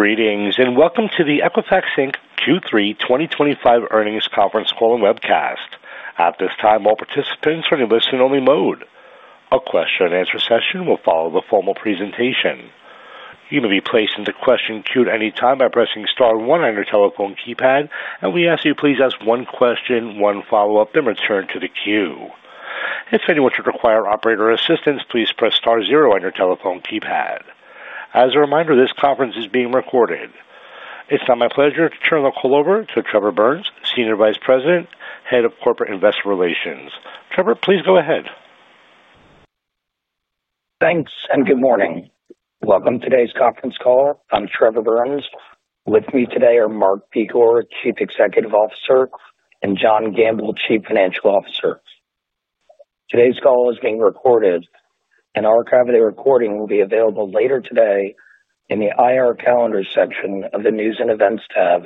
Greetings and welcome to the Equifax, Inc. Q3 2025 earnings conference call and webcast. At this time, all participants are in a listen-only mode. A question and answer session will follow the formal presentation. You may be placed into question queue at any time by pressing star one on your telephone keypad, and we ask that you please ask one question, one follow-up, then return to the queue. If anyone should require operator assistance, please press star zero on your telephone keypad. As a reminder, this conference is being recorded. It's now my pleasure to turn the call over to Trevor Burns, Senior Vice President, Head of Corporate Investor Relations. Trevor, please go ahead. Thanks, and good morning. Welcome to today's conference call. I'm Trevor Burns. With me today are Mark Begor, Chief Executive Officer, and John Gamble, Chief Financial Officer. Today's call is being recorded, and an archive of the recording will be available later today in the IR Calendar section of the News and Events tab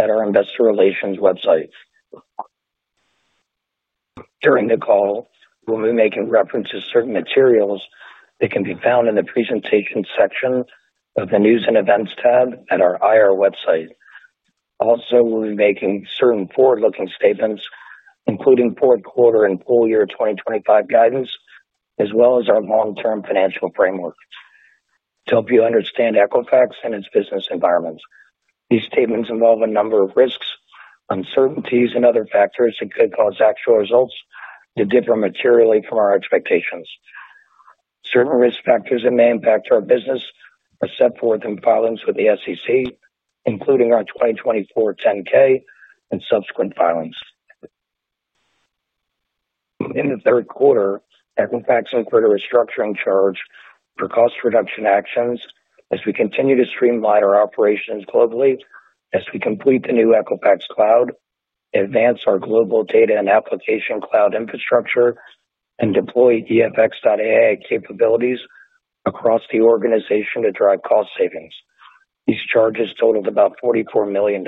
at our Investor Relations website. During the call, we'll be making reference to certain materials that can be found in the Presentation section of the News and Events tab at our IR website. Also, we'll be making certain forward-looking statements, including fourth quarter and full-year 2025 guidance, as well as our long-term financial framework to help you understand Equifax and its business environments. These statements involve a number of risks, uncertainties, and other factors that could cause actual results to differ materially from our expectations. Certain risk factors that may impact our business are set forth in filings with the SEC, including our 2024 10-K and subsequent filings. In the third quarter, Equifax incurred a restructuring charge for cost reduction actions as we continue to streamline our operations globally, as we complete the new Equifax Cloud, advance our global data and application cloud infrastructure, and deploy EFX.AI capabilities across the organization to drive cost savings. These charges totaled about $44 million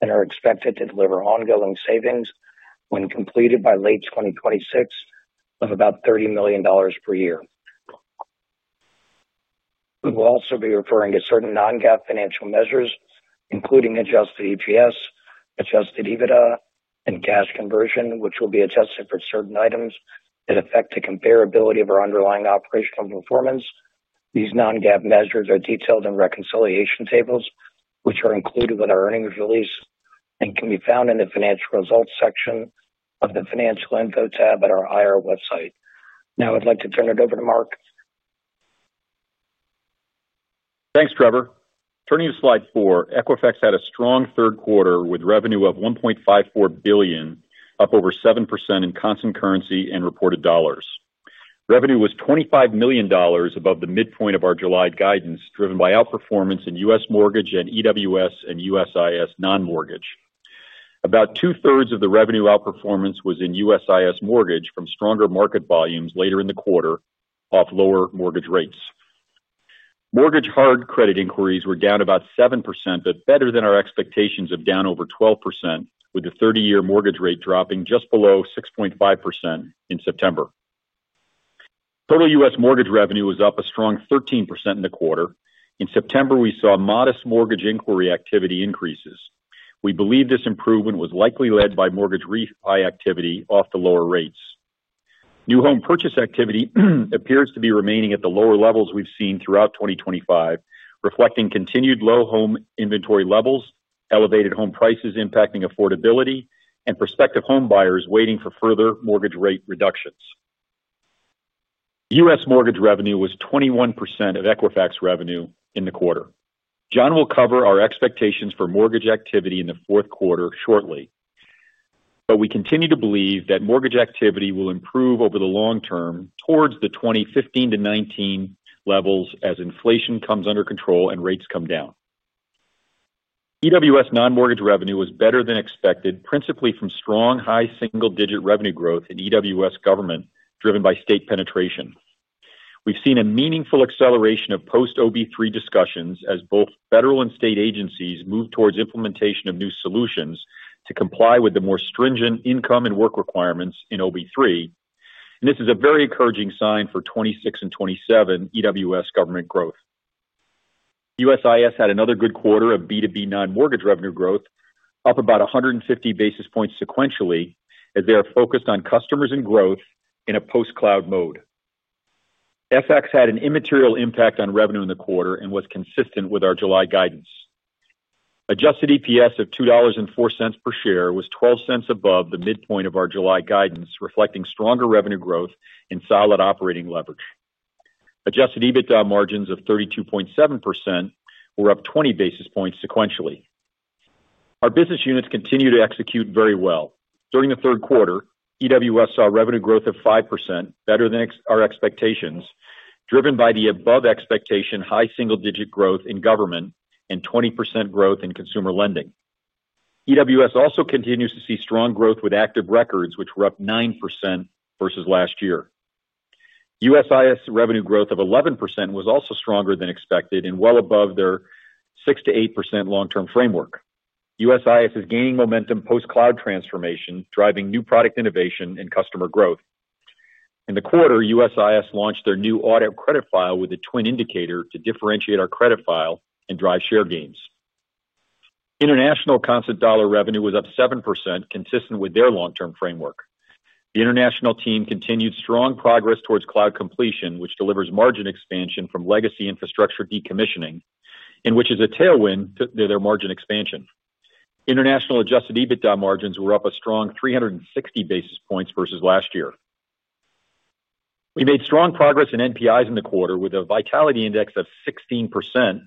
and are expected to deliver ongoing savings when completed by late 2026 of about $30 million per year. We will also be referring to certain non-GAAP financial measures, including adjusted EPS, adjusted EBITDA, and cash conversion, which will be adjusted for certain items that affect the comparability of our underlying operational performance. These non-GAAP measures are detailed in reconciliation tables, which are included with our earnings release and can be found in the Financial Results section of the Financial Info tab at our IR website. Now I'd like to turn it over to Mark. Thanks, Trevor. Turning to slide four, Equifax had a strong third quarter with revenue of $1.54 billion, up over 7% in constant currency and reported dollars. Revenue was $25 million above the midpoint of our July guidance, driven by outperformance in U.S. mortgage and EWS and USIS non-mortgage. About 2/3 of the revenue outperformance was in USIS mortgage from stronger market volumes later in the quarter off lower mortgage rates. Mortgage hard credit inquiries were down about 7%, but better than our expectations of down over 12%, with the 30-year mortgage rate dropping just below 6.5% in September. Total U.S. mortgage revenue was up a strong 13% in the quarter. In September, we saw modest mortgage inquiry activity increases. We believe this improvement was likely led by mortgage refi activity off the lower rates. New home purchase activity appears to be remaining at the lower levels we've seen throughout 2025, reflecting continued low home inventory levels, elevated home prices impacting affordability, and prospective home buyers waiting for further mortgage rate reductions. U.S. mortgage revenue was 21% of Equifax revenue in the quarter. John will cover our expectations for mortgage activity in the fourth quarter shortly, but we continue to believe that mortgage activity will improve over the long term towards the 2015 to 2019 levels as inflation comes under control and rates come down. EWS non-mortgage revenue was better than expected, principally from strong high single-digit revenue growth in EWS government driven by state penetration. We've seen a meaningful acceleration of post-OB3 discussions as both federal and state agencies move towards implementation of new solutions to comply with the more stringent income and work requirements in OB3, and this is a very encouraging sign for 2026 and 2027 EWS government growth. USIS had another good quarter of B2B non-mortgage revenue growth, up about 150 basis points sequentially, as they are focused on customers and growth in a post-cloud mode. FX had an immaterial impact on revenue in the quarter and was consistent with our July guidance. Adjusted EPS of $2.04 per share was $0.12 above the midpoint of our July guidance, reflecting stronger revenue growth and solid operating leverage. Adjusted EBITDA margins of 32.7% were up 20 basis points sequentially. Our business units continue to execute very well. During the third quarter, EWS saw revenue growth of 5%, better than our expectations, driven by the above-expectation high single-digit growth in government and 20% growth in consumer lending. EWS also continues to see strong growth with active records, which were up 9% versus last year. USIS revenue growth of 11% was also stronger than expected and well above their 6%-8% long-term framework. USIS is gaining momentum post-cloud transformation, driving new product innovation and customer growth. In the quarter, USIS launched their new audit credit file with a Twin indicator to differentiate our credit file and drive share gains. International constant dollar revenue was up 7%, consistent with their long-term framework. The international team continued strong progress towards cloud completion, which delivers margin expansion from legacy infrastructure decommissioning, and which is a tailwind to their margin expansion. International adjusted EBITDA margins were up a strong 360 basis points versus last year. We made strong progress in NPIs in the quarter with a Vitality Index of 16%,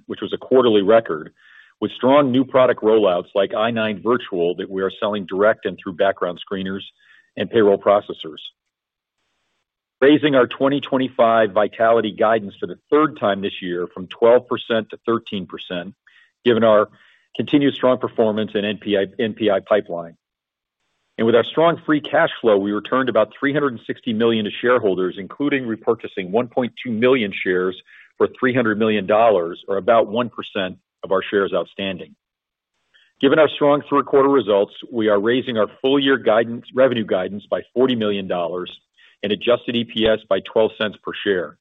which was a quarterly record, with strong new product rollouts like I-9 virtual that we are selling direct and through background screeners and payroll processors, raising our 2025 vitality guidance for the third time this year from 12% to 13%, given our continued strong performance and NPI pipeline. With our strong free cash flow, we returned about $360 million to shareholders, including repurchasing 1.2 million shares for $300 million, or about 1% of our shares outstanding. Given our strong three-quarter results, we are raising our full-year revenue guidance by $40 million and adjusted EPS by $0.12 per share.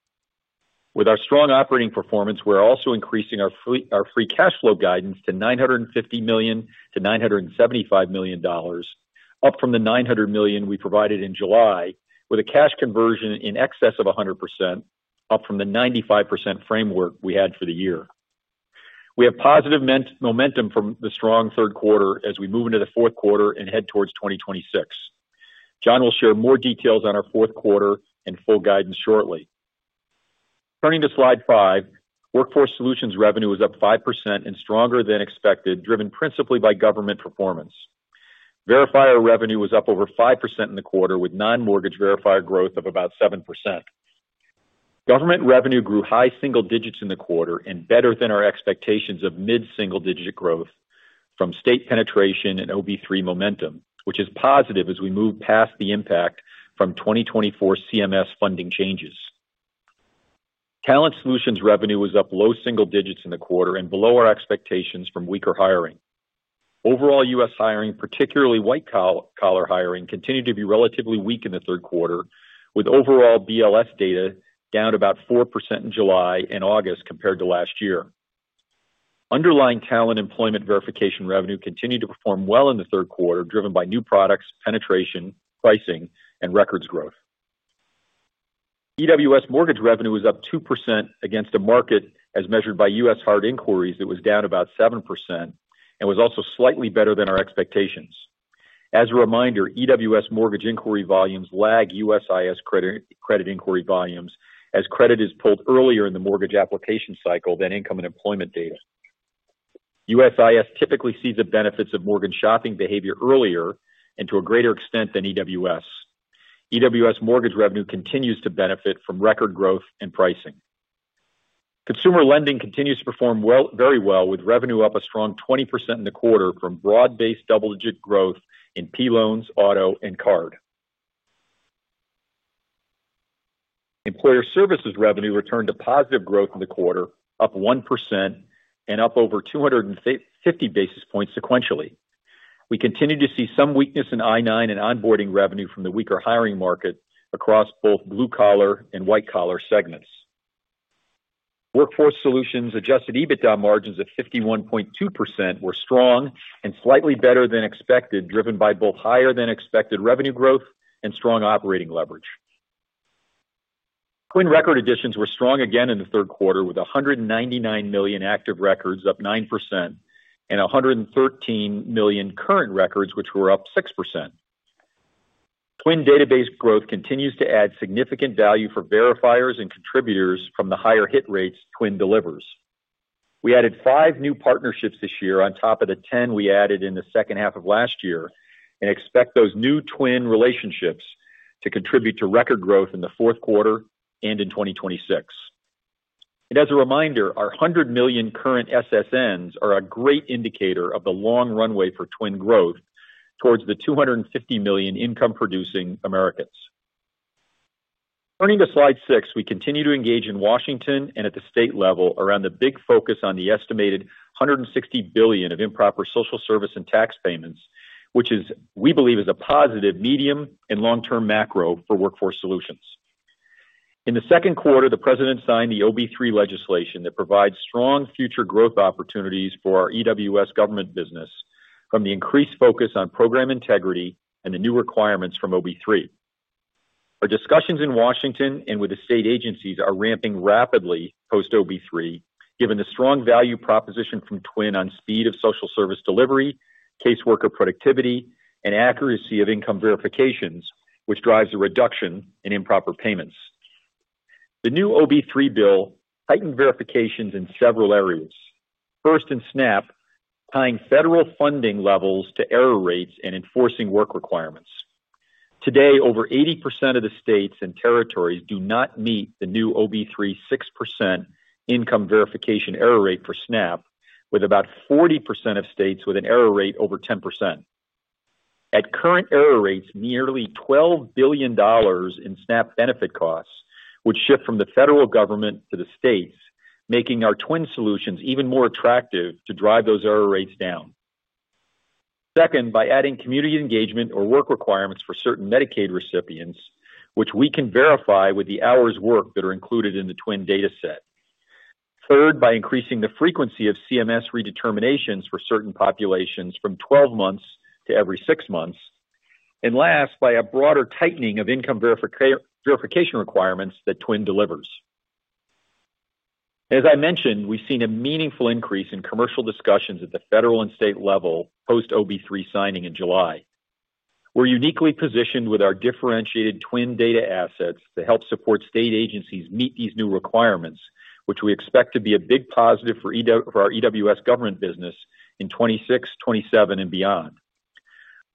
With our strong operating performance, we're also increasing our free cash flow guidance to $950 million to $975 million, up from the $900 million we provided in July, with a cash conversion in excess of 100%, up from the 95% framework we had for the year. We have positive momentum from the strong third quarter as we move into the fourth quarter and head towards 2026. John will share more details on our fourth quarter and full guidance shortly. Turning to slide five, Workforce Solutions revenue was up 5% and stronger than expected, driven principally by government performance. Verifier revenue was up over 5% in the quarter, with non-mortgage verifier growth of about 7%. Government revenue grew high single digits in the quarter and better than our expectations of mid-single-digit growth from state penetration and OB3 momentum, which is positive as we move past the impact from 2024 CMS funding changes. Talent Solutions revenue was up low single digits in the quarter and below our expectations from weaker hiring. Overall, U.S. hiring, particularly white-collar hiring, continued to be relatively weak in the third quarter, with overall BLS data down about 4% in July and August compared to last year. Underlying talent employment verification revenue continued to perform well in the third quarter, driven by new products, penetration, pricing, and records growth. EWS mortgage revenue was up 2% against a market, as measured by U.S. hard inquiries, that was down about 7% and was also slightly better than our expectations. As a reminder, EWS mortgage inquiry volumes lag USIS credit inquiry volumes as credit is pulled earlier in the mortgage application cycle than income and employment data. USIS typically sees the benefits of mortgage shopping behavior earlier and to a greater extent than EWS. EWS mortgage revenue continues to benefit from record growth and pricing. Consumer lending continues to perform very well, with revenue up a strong 20% in the quarter from broad-based double-digit growth in P loans, auto, and card. Employer services revenue returned to positive growth in the quarter, up 1% and up over 250 basis points sequentially. We continue to see some weakness in I-9 and onboarding revenue from the weaker hiring market across both blue-collar and white-collar segments. Workforce Solutions adjusted EBITDA margins of 51.2% were strong and slightly better than expected, driven by both higher than expected revenue growth and strong operating leverage. Twin record additions were strong again in the third quarter, with 199 million active records up 9% and 113 million current records, which were up 6%. Twin database growth continues to add significant value for verifiers and contributors from the higher hit rates Twin delivers. We added five new partnerships this year on top of the 10 we added in the second half of last year and expect those new Twin relationships to contribute to record growth in the fourth quarter and in 2026. Our 100 million current SSNs are a great indicator of the long runway for Twin growth towards the 250 million income-producing Americans. Turning to slide six, we continue to engage in Washington and at the state level around the big focus on the estimated $160 billion of improper social service and tax payments, which we believe is a positive medium and long-term macro for Workforce Solutions. In the second quarter, the president signed the OB3 legislation that provides strong future growth opportunities for our EWS government business from the increased focus on program integrity and the new requirements from OB3. Our discussions in Washington and with the state agencies are ramping rapidly post-OB3, given the strong value proposition from Twin on speed of social service delivery, caseworker productivity, and accuracy of income verifications, which drives a reduction in improper payments. The new OB3 bill tightened verifications in several areas, first in SNAP tying federal funding levels to error rates and enforcing work requirements. Today, over 80% of the states and territories do not meet the new OB3 6% income verification error rate for SNAP, with about 40% of states with an error rate over 10%. At current error rates, nearly $12 billion in SNAP benefit costs would shift from the federal government to the states, making our Twin solutions even more attractive to drive those error rates down. Second, by adding community engagement or work requirements for certain Medicaid recipients, which we can verify with the hours worked that are included in the Twin dataset. Third, by increasing the frequency of CMS redeterminations for certain populations from 12 months to every six months. Last, by a broader tightening of income verification requirements that Twin delivers. As I mentioned, we've seen a meaningful increase in commercial discussions at the federal and state level post-OB3 signing in July. We're uniquely positioned with our differentiated Twin data assets to help support state agencies meet these new requirements, which we expect to be a big positive for our EWS government business in 2026, 2027, and beyond.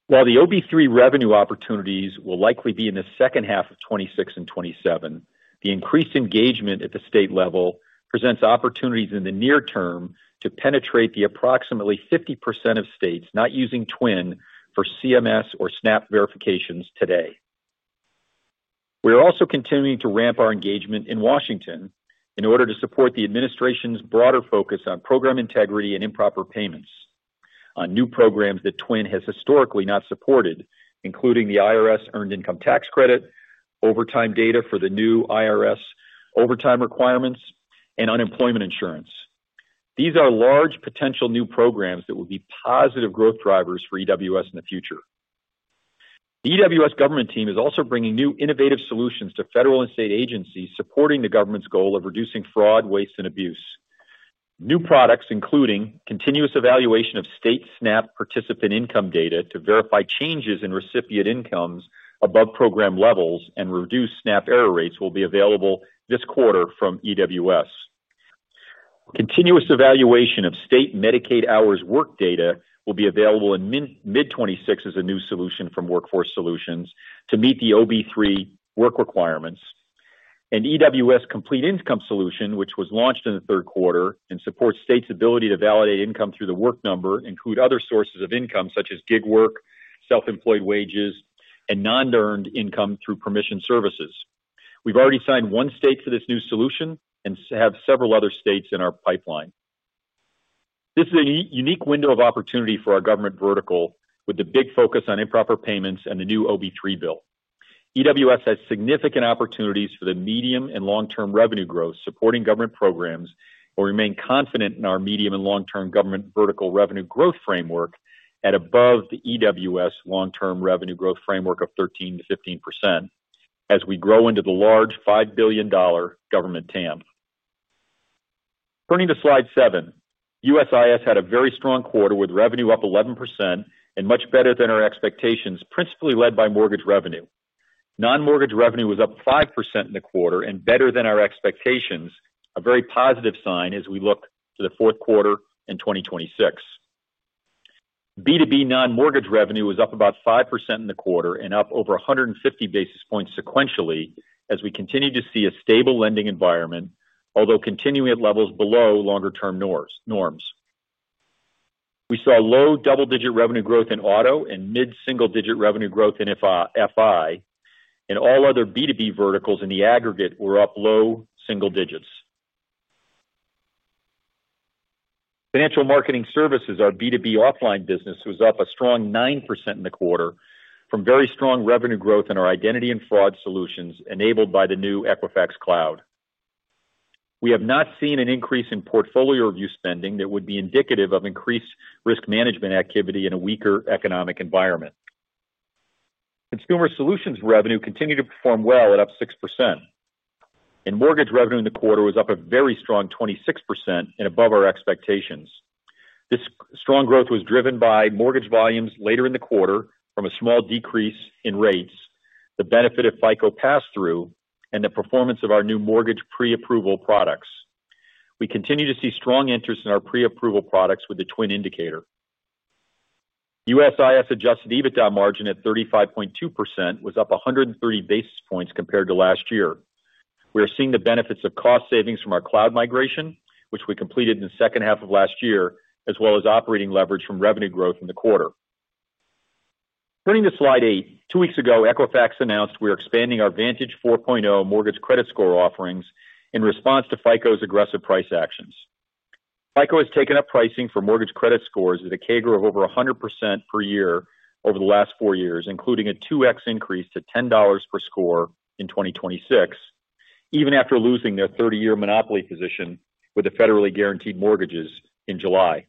While the OB3 revenue opportunities will likely be in the second half of 2026 and 2027, the increased engagement at the state level presents opportunities in the near term to penetrate the approximately 50% of states not using Twin for CMS or SNAP verifications today. We are also continuing to ramp our engagement in Washington in order to support the administration's broader focus on program integrity and improper payments, on new programs that Twin has historically not supported, including the IRS earned income tax credit, overtime data for the new IRS overtime requirements, and unemployment insurance. These are large potential new programs that will be positive growth drivers for EWS in the future. The EWS government team is also bringing new innovative solutions to federal and state agencies supporting the government's goal of reducing fraud, waste, and abuse. New products, including continuous evaluation of state SNAP participant income data to verify changes in recipient incomes above program levels and reduce SNAP error rates, will be available this quarter from EWS. Continuous evaluation of state Medicaid hours work data will be available in mid-2026 as a new solution from Workforce Solutions to meet the OB3 work requirements. EWS Complete Income Solution, which was launched in the third quarter and supports states' ability to validate income through The Work Number, includes other sources of income such as gig work, self-employed wages, and non-earned income through permission services. We've already signed one state for this new solution and have several other states in our pipeline. This is a unique window of opportunity for our government vertical with the big focus on improper payments and the new OB3 bill. EWS has significant opportunities for the medium and long-term revenue growth supporting government programs. We remain confident in our medium and long-term government vertical revenue growth framework at above the EWS long-term revenue growth framework of 13%-15% as we grow into the large $5 billion government TAM. Turning to slide seven, USIS had a very strong quarter with revenue up 11% and much better than our expectations, principally led by mortgage revenue. Non-mortgage revenue was up 5% in the quarter and better than our expectations, a very positive sign as we look to the fourth quarter in 2026. B2B non-mortgage revenue was up about 5% in the quarter and up over 150 basis points sequentially as we continue to see a stable lending environment, although continuing at levels below longer-term norms. We saw low double-digit revenue growth in auto and mid-single-digit revenue growth in FI, and all other B2B verticals in the aggregate were up low single digits. Financial marketing services, our B2B offline business, was up a strong 9% in the quarter from very strong revenue growth in our identity and fraud solutions enabled by the new Equifax Cloud. We have not seen an increase in portfolio review spending that would be indicative of increased risk management activity in a weaker economic environment. Consumer solutions revenue continued to perform well at up 6%, and mortgage revenue in the quarter was up a very strong 26% and above our expectations. This strong growth was driven by mortgage volumes later in the quarter from a small decrease in rates, the benefit of FICO pass-through, and the performance of our new mortgage pre-approval products. We continue to see strong interest in our pre-approval products with the Twin indicator. USIS adjusted EBITDA margin at 35.2% was up 130 basis points compared to last year. We are seeing the benefits of cost savings from our cloud migration, which we completed in the second half of last year, as well as operating leverage from revenue growth in the quarter. Turning to slide eight, two weeks ago, Equifax announced we are expanding our VantageScore 4.0 mortgage credit score offerings in response to FICO's aggressive price actions. FICO has taken up pricing for mortgage credit scores at a CAGR of over 100% per year over the last four years, including a 2x increase to $10 per score in 2026, even after losing their 30-year monopoly position with the federally guaranteed mortgages in July.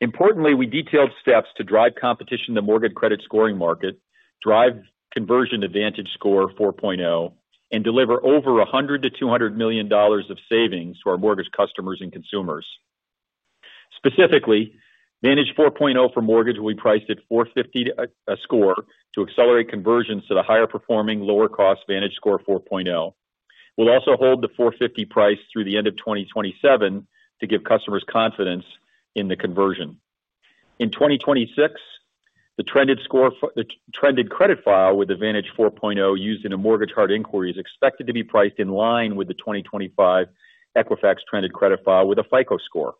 Importantly, we detailed steps to drive competition in the mortgage credit scoring market, drive conversion to VantageScore 4.0, and deliver over $100 million-$200 million of savings to our mortgage customers and consumers. Specifically, VantageScore 4.0 for mortgage will be priced at $4.50 a score to accelerate conversions to the higher performing, lower cost VantageScore 4.0. We'll also hold the $4.50 price through the end of 2027 to give customers confidence in the conversion. In 2026, the trended credit file with the VantageScore 4.0 used in a mortgage hard inquiry is expected to be priced in line with the 2025 Equifax trended credit file with a FICO score.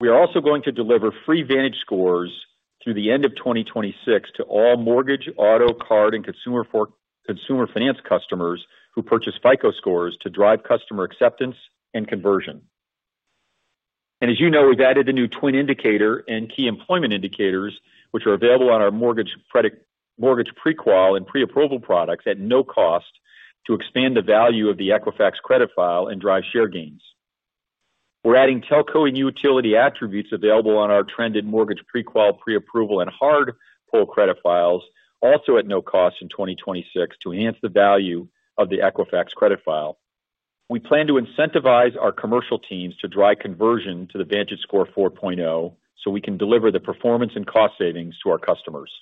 We are also going to deliver free Vantage scores through the end of 2026 to all mortgage, auto, card, and consumer finance customers who purchase FICO scores to drive customer acceptance and conversion. As you know, we've added the new Twin indicator and key employment indicators, which are available on our mortgage pre-qual and pre-approval products at no cost to expand the value of the Equifax credit file and drive share gains. We're adding telco and utility attributes available on our trended mortgage pre-qual, pre-approval, and hard pull credit files also at no cost in 2026 to enhance the value of the Equifax credit file. We plan to incentivize our commercial teams to drive conversion to the VantageScore 4.0 so we can deliver the performance and cost savings to our customers.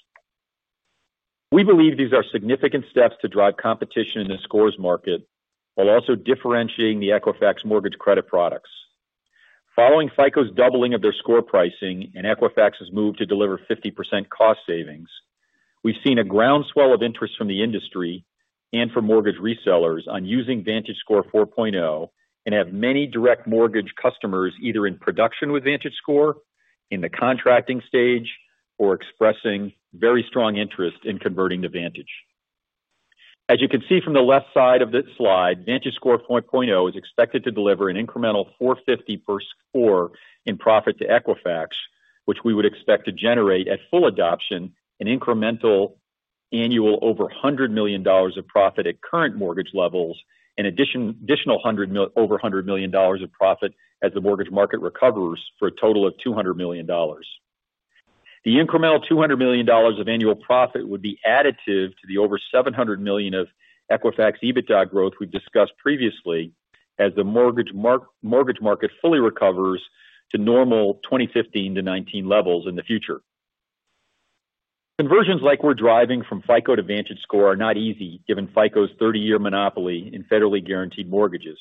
We believe these are significant steps to drive competition in the scores market while also differentiating the Equifax mortgage credit products. Following FICO's doubling of their score pricing and Equifax's move to deliver 50% cost savings, we've seen a groundswell of interest from the industry and from mortgage resellers on using VantageScore 4.0 and have many direct mortgage customers either in production with VantageScore, in the contracting stage, or expressing very strong interest in converting to Vantage. As you can see from the left side of the slide, VantageScore 4.0 is expected to deliver an incremental $4.50 per score in profit to Equifax, which we would expect to generate at full adoption an incremental annual over $100 million of profit at current mortgage levels, an additional over $100 million of profit as the mortgage market recovers for a total of $200 million. The incremental $200 million of annual profit would be additive to the over $700 million of Equifax EBITDA growth we've discussed previously as the mortgage market fully recovers to normal 2015-2019 levels in the future. Conversions like we're driving from FICO to VantageScore are not easy given FICO's 30-year monopoly in federally guaranteed mortgages.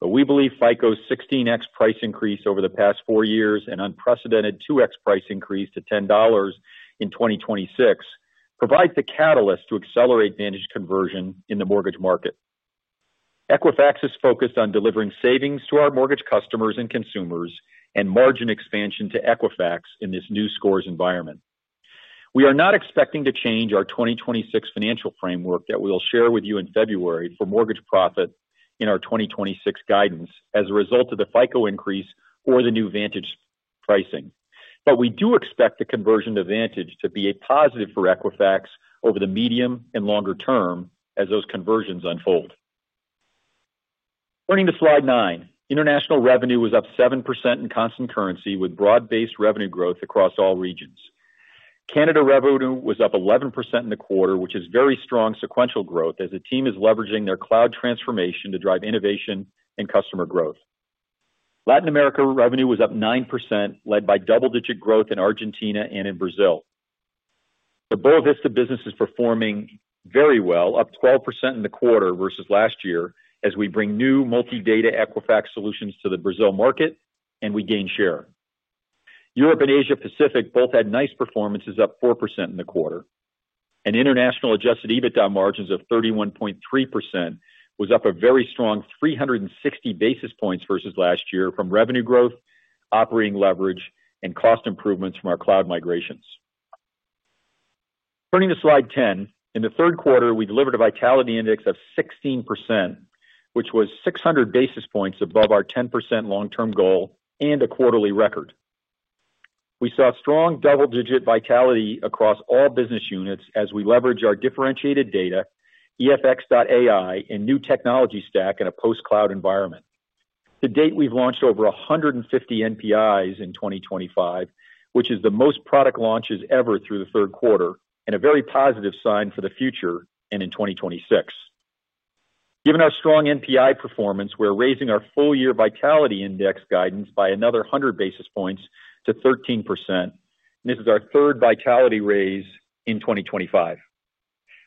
We believe FICO's 16x price increase over the past four years and unprecedented 2x price increase to $10 in 2026 provides the catalyst to accelerate Vantage conversion in the mortgage market. Equifax's focus is on delivering savings to our mortgage customers and consumers and margin expansion to Equifax in this new scores environment. We are not expecting to change our 2026 financial framework that we'll share with you in February for mortgage profit in our 2026 guidance as a result of the FICO increase or the new Vantage pricing. We do expect the conversion to Vantage to be a positive for Equifax over the medium and longer term as those conversions unfold. Turning to slide nine, international revenue was up 7% in constant currency with broad-based revenue growth across all regions. Canada revenue was up 11% in the quarter, which is very strong sequential growth as the team is leveraging their cloud transformation to drive innovation and customer growth. Latin America revenue was up 9%, led by double-digit growth in Argentina and in Brazil. The Boa Vista business is performing very well, up 12% in the quarter versus last year as we bring new multi-data Equifax solutions to the Brazil market and we gain share. Europe and Asia-Pacific both had nice performances, up 4% in the quarter. International adjusted EBITDA margins of 31.3% was up a very strong 360 basis points versus last year from revenue growth, operating leverage, and cost improvements from our cloud migrations. Turning to slide 10, in the third quarter, we delivered a Vitality Index of 16%, which was 600 basis points above our 10% long-term goal and a quarterly record. We saw strong double-digit vitality across all business units as we leverage our differentiated data, EFX.AI, and new technology stack in a post-cloud environment. To date, we've launched over 150 NPIs in 2025, which is the most product launches ever through the third quarter and a very positive sign for the future and in 2026. Given our strong NPI performance, we're raising our full-year Vitality Index guidance by another 100 basis points to 13%, and this is our third vitality raise in 2025.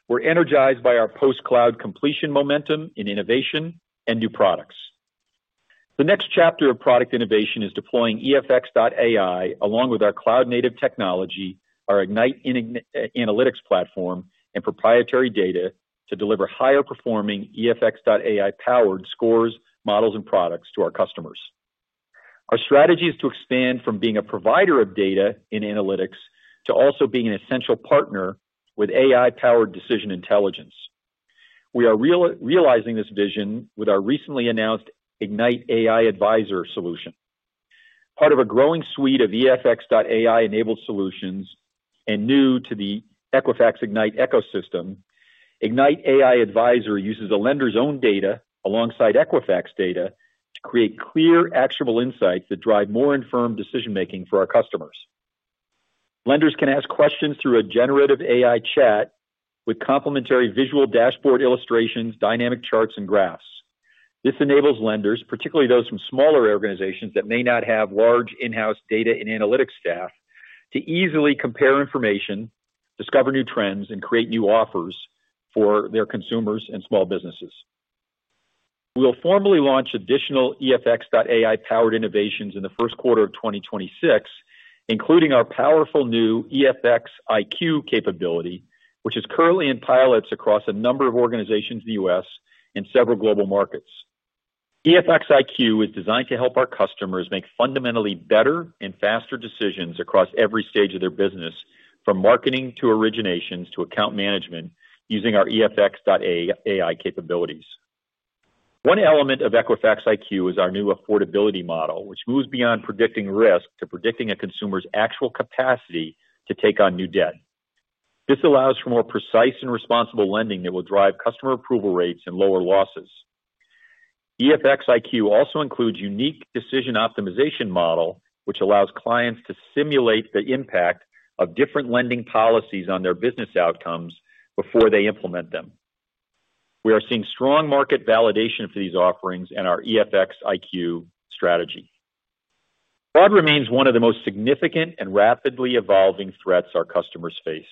We're energized by our post-cloud completion momentum in innovation and new products. The next chapter of product innovation is deploying EFX.AI along with our cloud-native technology, our Ignite analytics platform, and proprietary data to deliver higher performing EFX.AI-powered scores, models, and products to our customers. Our strategy is to expand from being a provider of data in analytics to also being an essential partner with AI-powered decision intelligence. We are realizing this vision with our recently announced Ignite AI Advisor solution. Part of a growing suite of EFX.AI-enabled solutions and new to the Equifax Ignite ecosystem, Ignite AI Advisor uses a lender's own data alongside Equifax data to create clear, actionable insights that drive more informed decision-making for our customers. Lenders can ask questions through a generative AI chat with complimentary visual dashboard illustrations, dynamic charts, and graphs. This enables lenders, particularly those from smaller organizations that may not have large in-house data and analytics staff, to easily compare information, discover new trends, and create new offers for their consumers and small businesses. We will formally launch additional EFX.AI-powered innovations in the first quarter of 2026, including our powerful new EFX IQ capability, which is currently in pilots across a number of organizations in the U.S. and several global markets. EFX IQ is designed to help our customers make fundamentally better and faster decisions across every stage of their business, from marketing to originations to account management, using our EFX.AI capabilities. One element of Equifax IQ is our new affordability model, which moves beyond predicting risk to predicting a consumer's actual capacity to take on new debt. This allows for more precise and responsible lending that will drive customer approval rates and lower losses. EFX IQ also includes a unique decision optimization model, which allows clients to simulate the impact of different lending policies on their business outcomes before they implement them. We are seeing strong market validation for these offerings and our EFX IQ strategy. Fraud remains one of the most significant and rapidly evolving threats our customers face.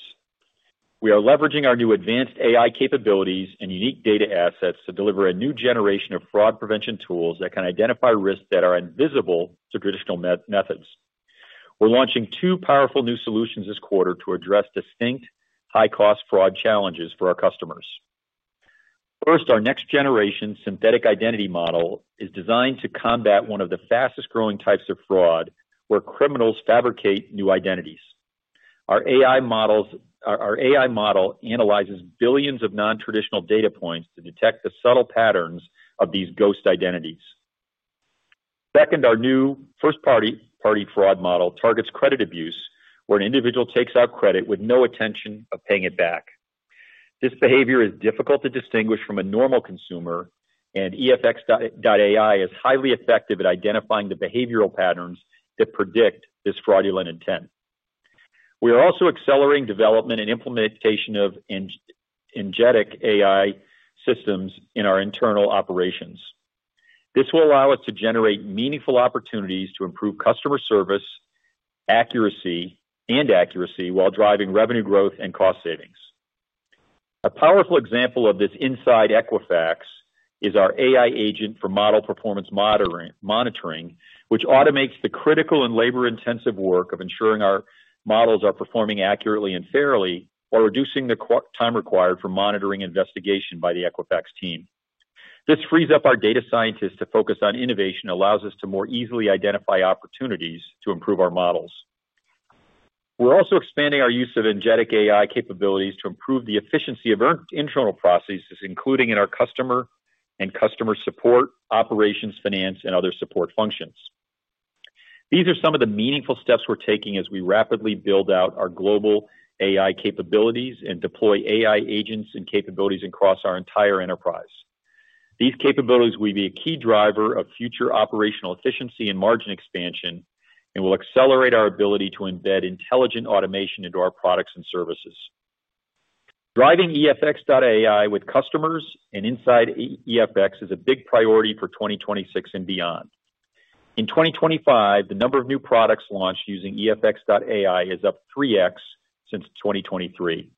We are leveraging our new advanced AI capabilities and unique data assets to deliver a new generation of fraud prevention tools that can identify risks that are invisible to traditional methods. We are launching two powerful new solutions this quarter to address distinct high-cost fraud challenges for our customers. First, our next-generation synthetic identity model is designed to combat one of the fastest growing types of fraud where criminals fabricate new identities. Our AI model analyzes billions of non-traditional data points to detect the subtle patterns of these ghost identities. Second, our new first-party fraud model targets credit abuse where an individual takes out credit with no intention of paying it back. This behavior is difficult to distinguish from a normal consumer, and EFX.AI is highly effective at identifying the behavioral patterns that predict this fraudulent intent. We are also accelerating development and implementation of Agentic AI systems in our internal operations. This will allow us to generate meaningful opportunities to improve customer service and accuracy while driving revenue growth and cost savings. A powerful example of this inside Equifax is our AI agent for model performance monitoring, which automates the critical and labor-intensive work of ensuring our models are performing accurately and fairly while reducing the time required for monitoring investigation by the Equifax team. This frees up our data scientists to focus on innovation and allows us to more easily identify opportunities to improve our models. We're also expanding our use of Agentic AI capabilities to improve the efficiency of internal processes, including in our customer and customer support, operations, finance, and other support functions. These are some of the meaningful steps we're taking as we rapidly build out our global AI capabilities and deploy AI agents and capabilities across our entire enterprise. These capabilities will be a key driver of future operational efficiency and margin expansion and will accelerate our ability to embed intelligent automation into our products and services. Driving EFX.AI with customers and inside Equifax is a big priority for 2026 and beyond. In 2025, the number of new products launched using EFX.AI is up 3x since 2023.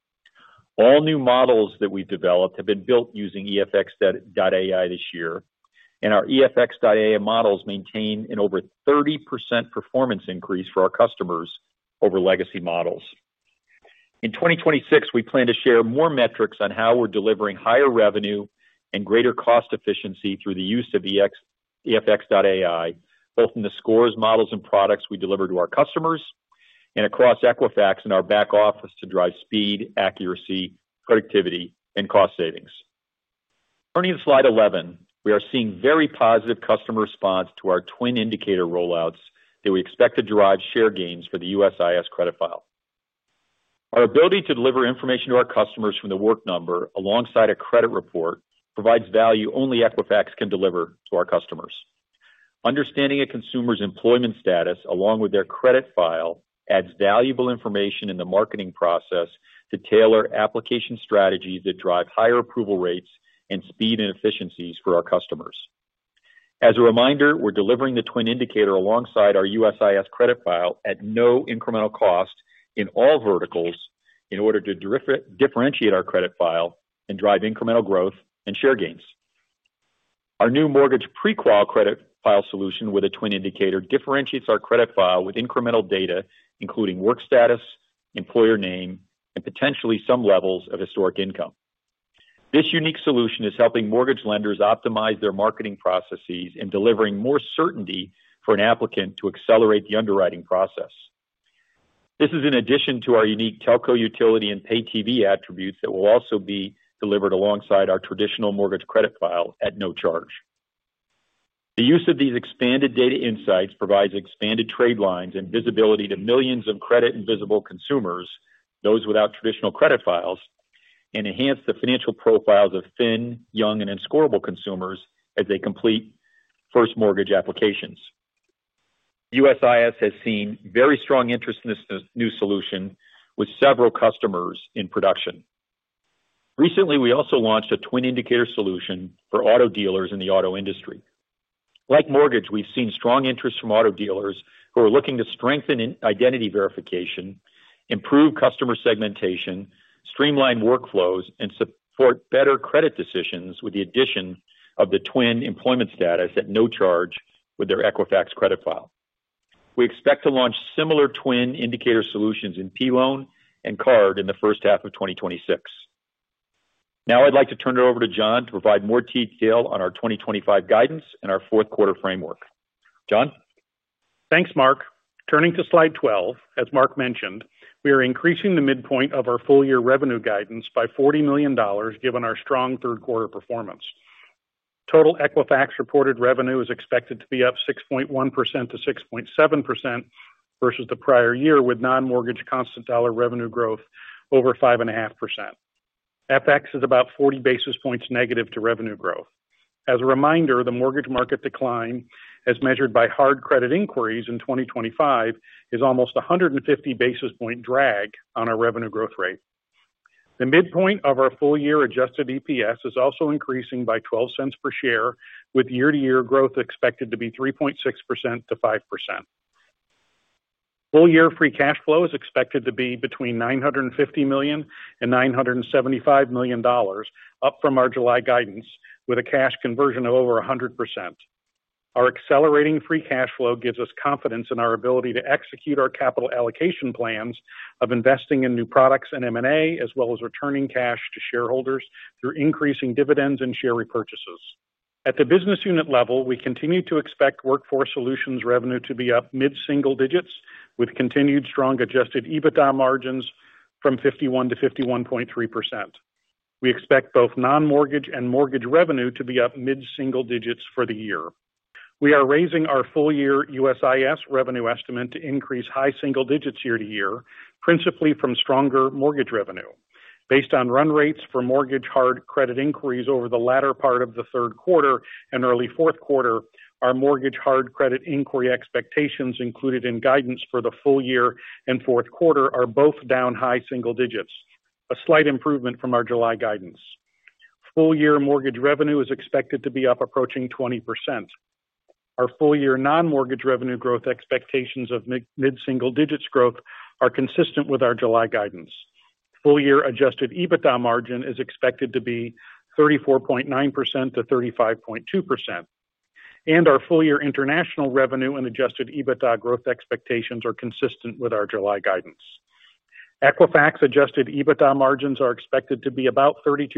All new models that we've developed have been built using EFX.AI this year, and our EFX.AI models maintain an over 30% performance increase for our customers over legacy models. In 2026, we plan to share more metrics on how we're delivering higher revenue and greater cost efficiency through the use of EFX.AI, both in the scores, models, and products we deliver to our customers and across Equifax in our back office to drive speed, accuracy, productivity, and cost savings. Turning to slide 11, we are seeing very positive customer response to our Twin indicator rollouts that we expect to drive share gains for the USIS credit file. Our ability to deliver information to our customers from The Work Number alongside a credit report provides value only Equifax can deliver to our customers. Understanding a consumer's employment status along with their credit file adds valuable information in the marketing process to tailor application strategies that drive higher approval rates and speed and efficiencies for our customers. As a reminder, we're delivering the Twin indicator alongside our USIS credit file at no incremental cost in all verticals in order to differentiate our credit file and drive incremental growth and share gains. Our new mortgage pre-qual credit file solution with a Twin indicator differentiates our credit file with incremental data, including work status, employer name, and potentially some levels of historic income. This unique solution is helping mortgage lenders optimize their marketing processes and delivering more certainty for an applicant to accelerate the underwriting process. This is in addition to our unique telco, utility, and pay TV attributes that will also be delivered alongside our traditional mortgage credit file at no charge. The use of these expanded data insights provides expanded trade lines and visibility to millions of credit invisible consumers, those without traditional credit files, and enhance the financial profiles of thin, young, and unscorable consumers as they complete first mortgage applications. USIS has seen very strong interest in this new solution with several customers in production. Recently, we also launched a Twin indicator solution for auto dealers in the auto industry. Like mortgage, we've seen strong interest from auto dealers who are looking to strengthen identity verification, improve customer segmentation, streamline workflows, and support better credit decisions with the addition of the Twin employment status at no charge with their Equifax credit file. We expect to launch similar Twin indicator solutions in P loan and card in the first half of 2026. Now I'd like to turn it over to John to provide more detail on our 2025 guidance and our fourth quarter framework. John? Thanks, Mark. Turning to slide 12, as Mark mentioned, we are increasing the midpoint of our full-year revenue guidance by $40 million, given our strong third-quarter performance. Total Equifax reported revenue is expected to be up 6.1%-6.7% versus the prior year, with non-mortgage constant dollar revenue growth over 5.5%. FX is about 40 basis points negative to revenue growth. As a reminder, the mortgage market decline, as measured by hard credit inquiries in 2025, is almost 150 basis point drag on our revenue growth rate. The midpoint of our full-year adjusted EPS is also increasing by $0.12 per share, with year-to-year growth expected to be 3.6%-5%. Full-year free cash flow is expected to be between $950 million and $975 million, up from our July guidance, with a cash conversion of over 100%. Our accelerating free cash flow gives us confidence in our ability to execute our capital allocation plans of investing in new products and M&A, as well as returning cash to shareholders through increasing dividends and share repurchases. At the business unit level, we continue to expect Workforce Solutions revenue to be up mid-single digits, with continued strong adjusted EBITDA margins from 51%-51.3%. We expect both non-mortgage and mortgage revenue to be up mid-single digits for the year. We are raising our full-year USIS revenue estimate to increase high single digits year to year, principally from stronger mortgage revenue. Based on run rates for mortgage hard credit inquiries over the latter part of the third quarter and early fourth quarter, our mortgage hard credit inquiry expectations included in guidance for the full year and fourth quarter are both down high single digits, a slight improvement from our July guidance. Full-year mortgage revenue is expected to be up approaching 20%. Our full-year non-mortgage revenue growth expectations of mid-single digits growth are consistent with our July guidance. Full-year adjusted EBITDA margin is expected to be 34.9%-35.2%. Our full-year international revenue and adjusted EBITDA growth expectations are consistent with our July guidance. Equifax adjusted EBITDA margins are expected to be about 32%.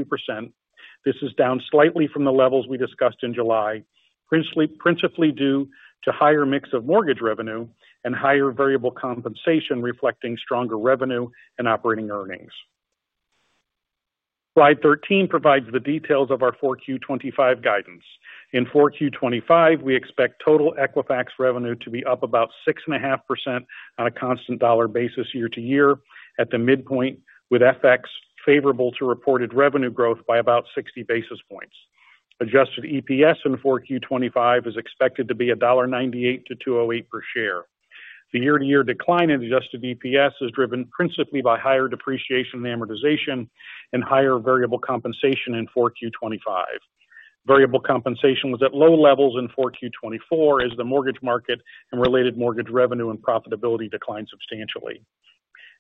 This is down slightly from the levels we discussed in July, principally due to a higher mix of mortgage revenue and higher variable compensation reflecting stronger revenue and operating earnings. Slide 13 provides the details of our 4Q 2025 guidance. In 4Q 2025, we expect total Equifax revenue to be up about 6.5% on a constant dollar basis year to year at the midpoint, with FX favorable to reported revenue growth by about 60 basis points. Adjusted EPS in 4Q 2025 is expected to be $1.98-$2.08 per share. The year-to-year decline in adjusted EPS is driven principally by higher depreciation and amortization and higher variable compensation in 4Q 2025. Variable compensation was at low levels in 4Q 2024 as the mortgage market and related mortgage revenue and profitability declined substantially.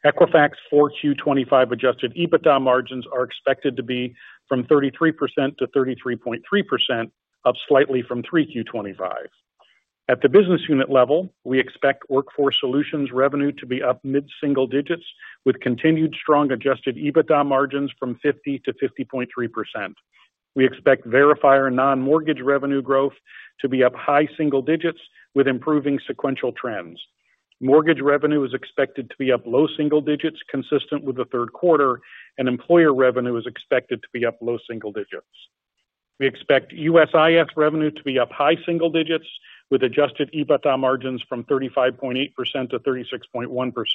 Equifax 4Q 2025 adjusted EBITDA margins are expected to be from 33%-33.3%, up slightly from 3Q 2025. At the business unit level, we expect Workforce Solutions revenue to be up mid-single digits with continued strong adjusted EBITDA margins from 50%-50.3%. We expect verifier non-mortgage revenue growth to be up high single digits with improving sequential trends. Mortgage revenue is expected to be up low single digits, consistent with the third quarter, and employer revenue is expected to be up low single digits. We expect USIS revenue to be up high single digits with adjusted EBITDA margins from 35.8%-36.1%.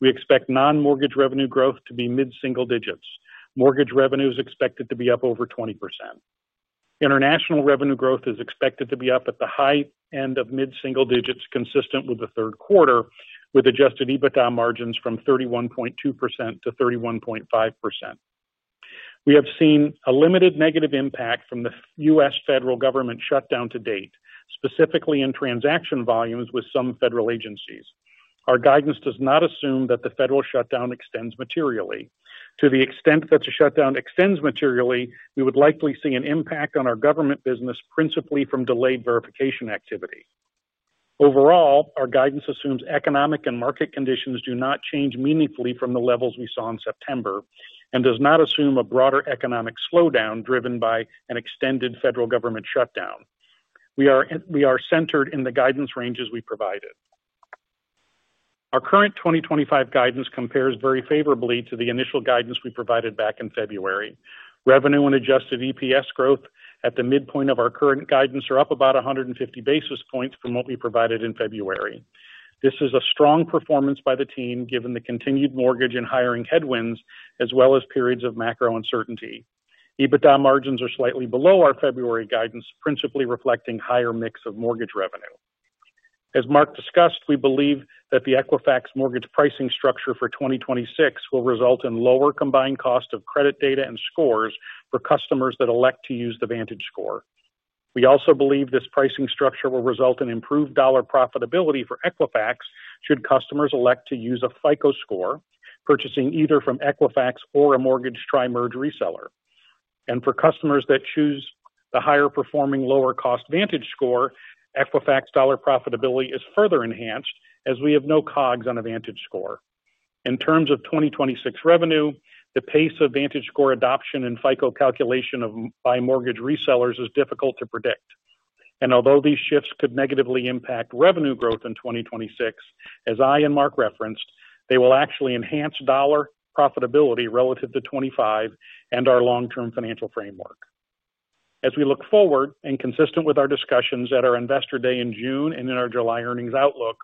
We expect non-mortgage revenue growth to be mid-single digits. Mortgage revenue is expected to be up over 20%. International revenue growth is expected to be up at the high end of mid-single digits, consistent with the third quarter, with adjusted EBITDA margins from 31.2%-31.5%. We have seen a limited negative impact from the U.S. federal government shutdown to date, specifically in transaction volumes with some federal agencies. Our guidance does not assume that the federal shutdown extends materially. To the extent that the shutdown extends materially, we would likely see an impact on our government business, principally from delayed verification activity. Overall, our guidance assumes economic and market conditions do not change meaningfully from the levels we saw in September and does not assume a broader economic slowdown driven by an extended federal government shutdown. We are centered in the guidance ranges we provided. Our current 2025 guidance compares very favorably to the initial guidance we provided back in February. Revenue and adjusted EPS growth at the midpoint of our current guidance are up about 150 basis points from what we provided in February. This is a strong performance by the team, given the continued mortgage and hiring headwinds, as well as periods of macro uncertainty. EBITDA margins are slightly below our February guidance, principally reflecting a higher mix of mortgage revenue. As Mark discussed, we believe that the Equifax mortgage pricing structure for 2026 will result in lower combined cost of credit data and scores for customers that elect to use the VantageScore. We also believe this pricing structure will result in improved dollar profitability for Equifax should customers elect to use a FICO score, purchasing either from Equifax or a mortgage tri-merge reseller. For customers that choose the higher performing, lower cost VantageScore, Equifax dollar profitability is further enhanced as we have no COGS on a VantageScore. In terms of 2026 revenue, the pace of VantageScore adoption and FICO calculation by mortgage resellers is difficult to predict. Although these shifts could negatively impact revenue growth in 2026, as I and Mark referenced, they will actually enhance dollar profitability relative to 2025 and our long-term financial framework. As we look forward and consistent with our discussions at our investor day in June and in our July earnings outlook,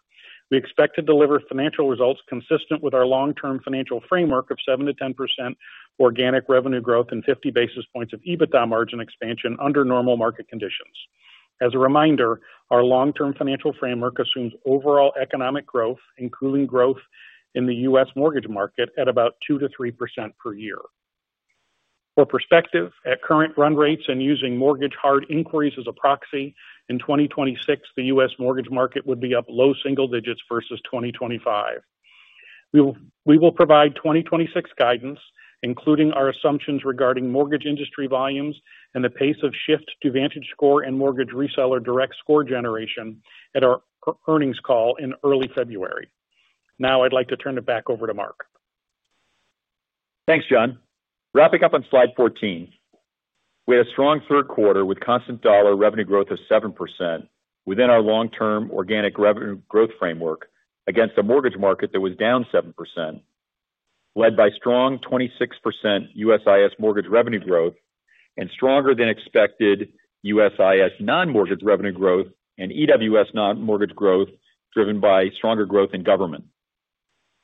we expect to deliver financial results consistent with our long-term financial framework of 7%-10% organic revenue growth and 50 basis points of EBITDA margin expansion under normal market conditions. As a reminder, our long-term financial framework assumes overall economic growth, including growth in the U.S. mortgage market at about 2%-3% per year. For perspective, at current run rates and using mortgage hard inquiries as a proxy, in 2026, the U.S. mortgage market would be up low single digits versus 2025. We will provide 2026 guidance, including our assumptions regarding mortgage industry volumes and the pace of shift to VantageScore and mortgage reseller direct score generation at our earnings call in early February. Now I'd like to turn it back over to Mark. Thanks, John. Wrapping up on slide 14, we had a strong third quarter with constant dollar revenue growth of 7% within our long-term organic revenue growth framework against a mortgage market that was down 7%, led by strong 26% USIS mortgage revenue growth and stronger than expected USIS non-mortgage revenue growth and EWS non-mortgage growth driven by stronger growth in government.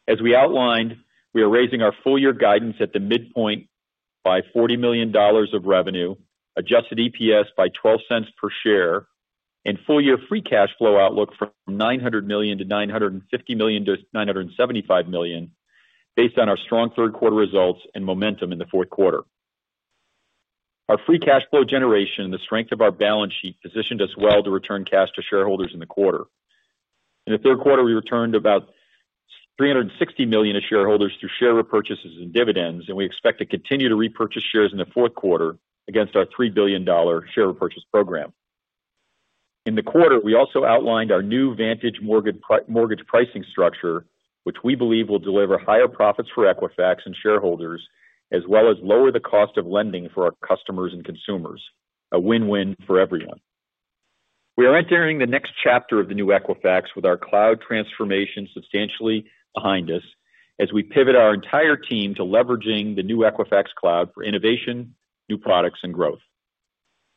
As we outlined, we are raising our full-year guidance at the midpoint by $40 million of revenue, adjusted EPS by $0.12 per share, and full-year free cash flow outlook from $900 million to $950 million to $975 million based on our strong third quarter results and momentum in the fourth quarter. Our free cash flow generation and the strength of our balance sheet positioned us well to return cash to shareholders in the quarter. In the third quarter, we returned about $360 million to shareholders through share repurchases and dividends, and we expect to continue to repurchase shares in the fourth quarter against our $3 billion share repurchase program. In the quarter, we also outlined our new Vantage mortgage pricing structure, which we believe will deliver higher profits for Equifax and shareholders, as well as lower the cost of lending for our customers and consumers, a win-win for everyone. We are entering the next chapter of the new Equifax with our cloud transformation substantially behind us as we pivot our entire team to leveraging the new Equifax Cloud for innovation, new products, and growth.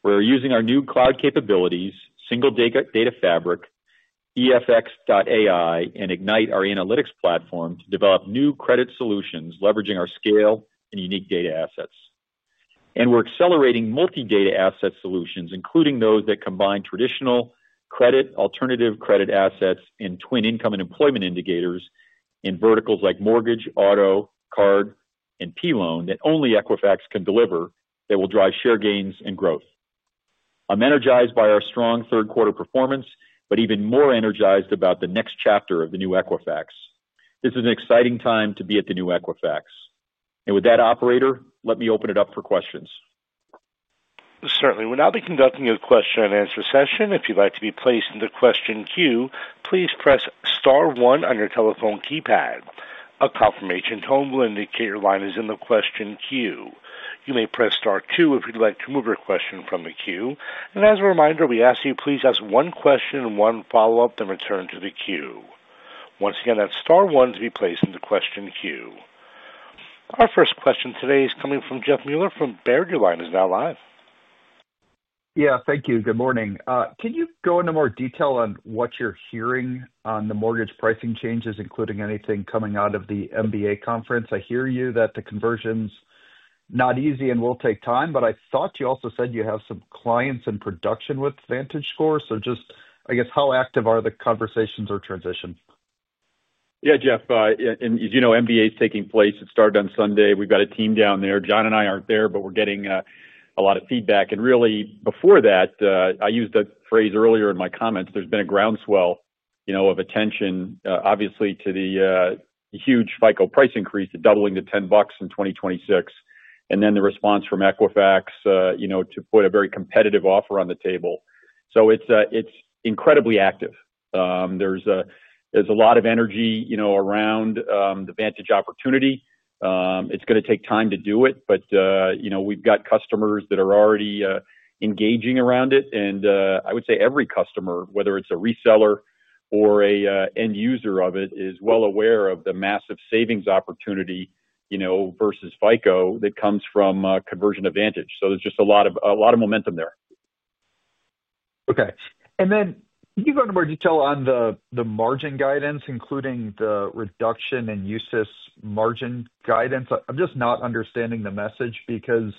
We're using our new cloud capabilities, single Data Fabric, EFX.AI, and Ignite, our analytics platform, to develop new credit solutions leveraging our scale and unique data assets. We're accelerating multi-data asset solutions, including those that combine traditional credit, alternative credit assets, and Twin income and employment indicators in verticals like mortgage, auto, card, and P loan that Only Equifax can deliver that will drive share gains and growth. I'm energized by our strong third-quarter performance, but even more energized about the next chapter of the new Equifax. This is an exciting time to be at the new Equifax. With that, operator, let me open it up for questions. Certainly. We'll now be conducting a question and answer session. If you'd like to be placed in the question queue, please press star one on your telephone keypad. A confirmation tone will indicate your line is in the question queue. You may press star two if you'd like to remove your question from the queue. As a reminder, we ask that you please ask one question and one follow-up, then return to the queue. Once again, that's star one to be placed in the question queue. Our first question today is coming from Jeff Meuler from Baird. Your line is now live. Yeah, thank you. Good morning. Can you go into more detail on what you're hearing on the mortgage pricing changes, including anything coming out of the MBA conference? I hear you that the conversion's not easy and will take time, but I thought you also said you have some clients in production with VantageScore. Just, I guess, how active are the conversations or transition? Yeah, Jeff. As you know, MBA is taking place. It started on Sunday. We've got a team down there. John and I aren't there, but we're getting a lot of feedback. Really, before that, I used a phrase earlier in my comments. There's been a groundswell of attention, obviously, to the huge FICO price increase at doubling to $10 in 2026. The response from Equifax, you know, to put a very competitive offer on the table. It's incredibly active. There's a lot of energy around the Vantage opportunity. It's going to take time to do it, but we've got customers that are already engaging around it. I would say every customer, whether it's a reseller or an end user of it, is well aware of the massive savings opportunity versus FICO that comes from a conversion of Vantage. There's just a lot of momentum there. Okay. Can you go into more detail on the margin guidance, including the reduction in USIS margin guidance? I'm just not understanding the message because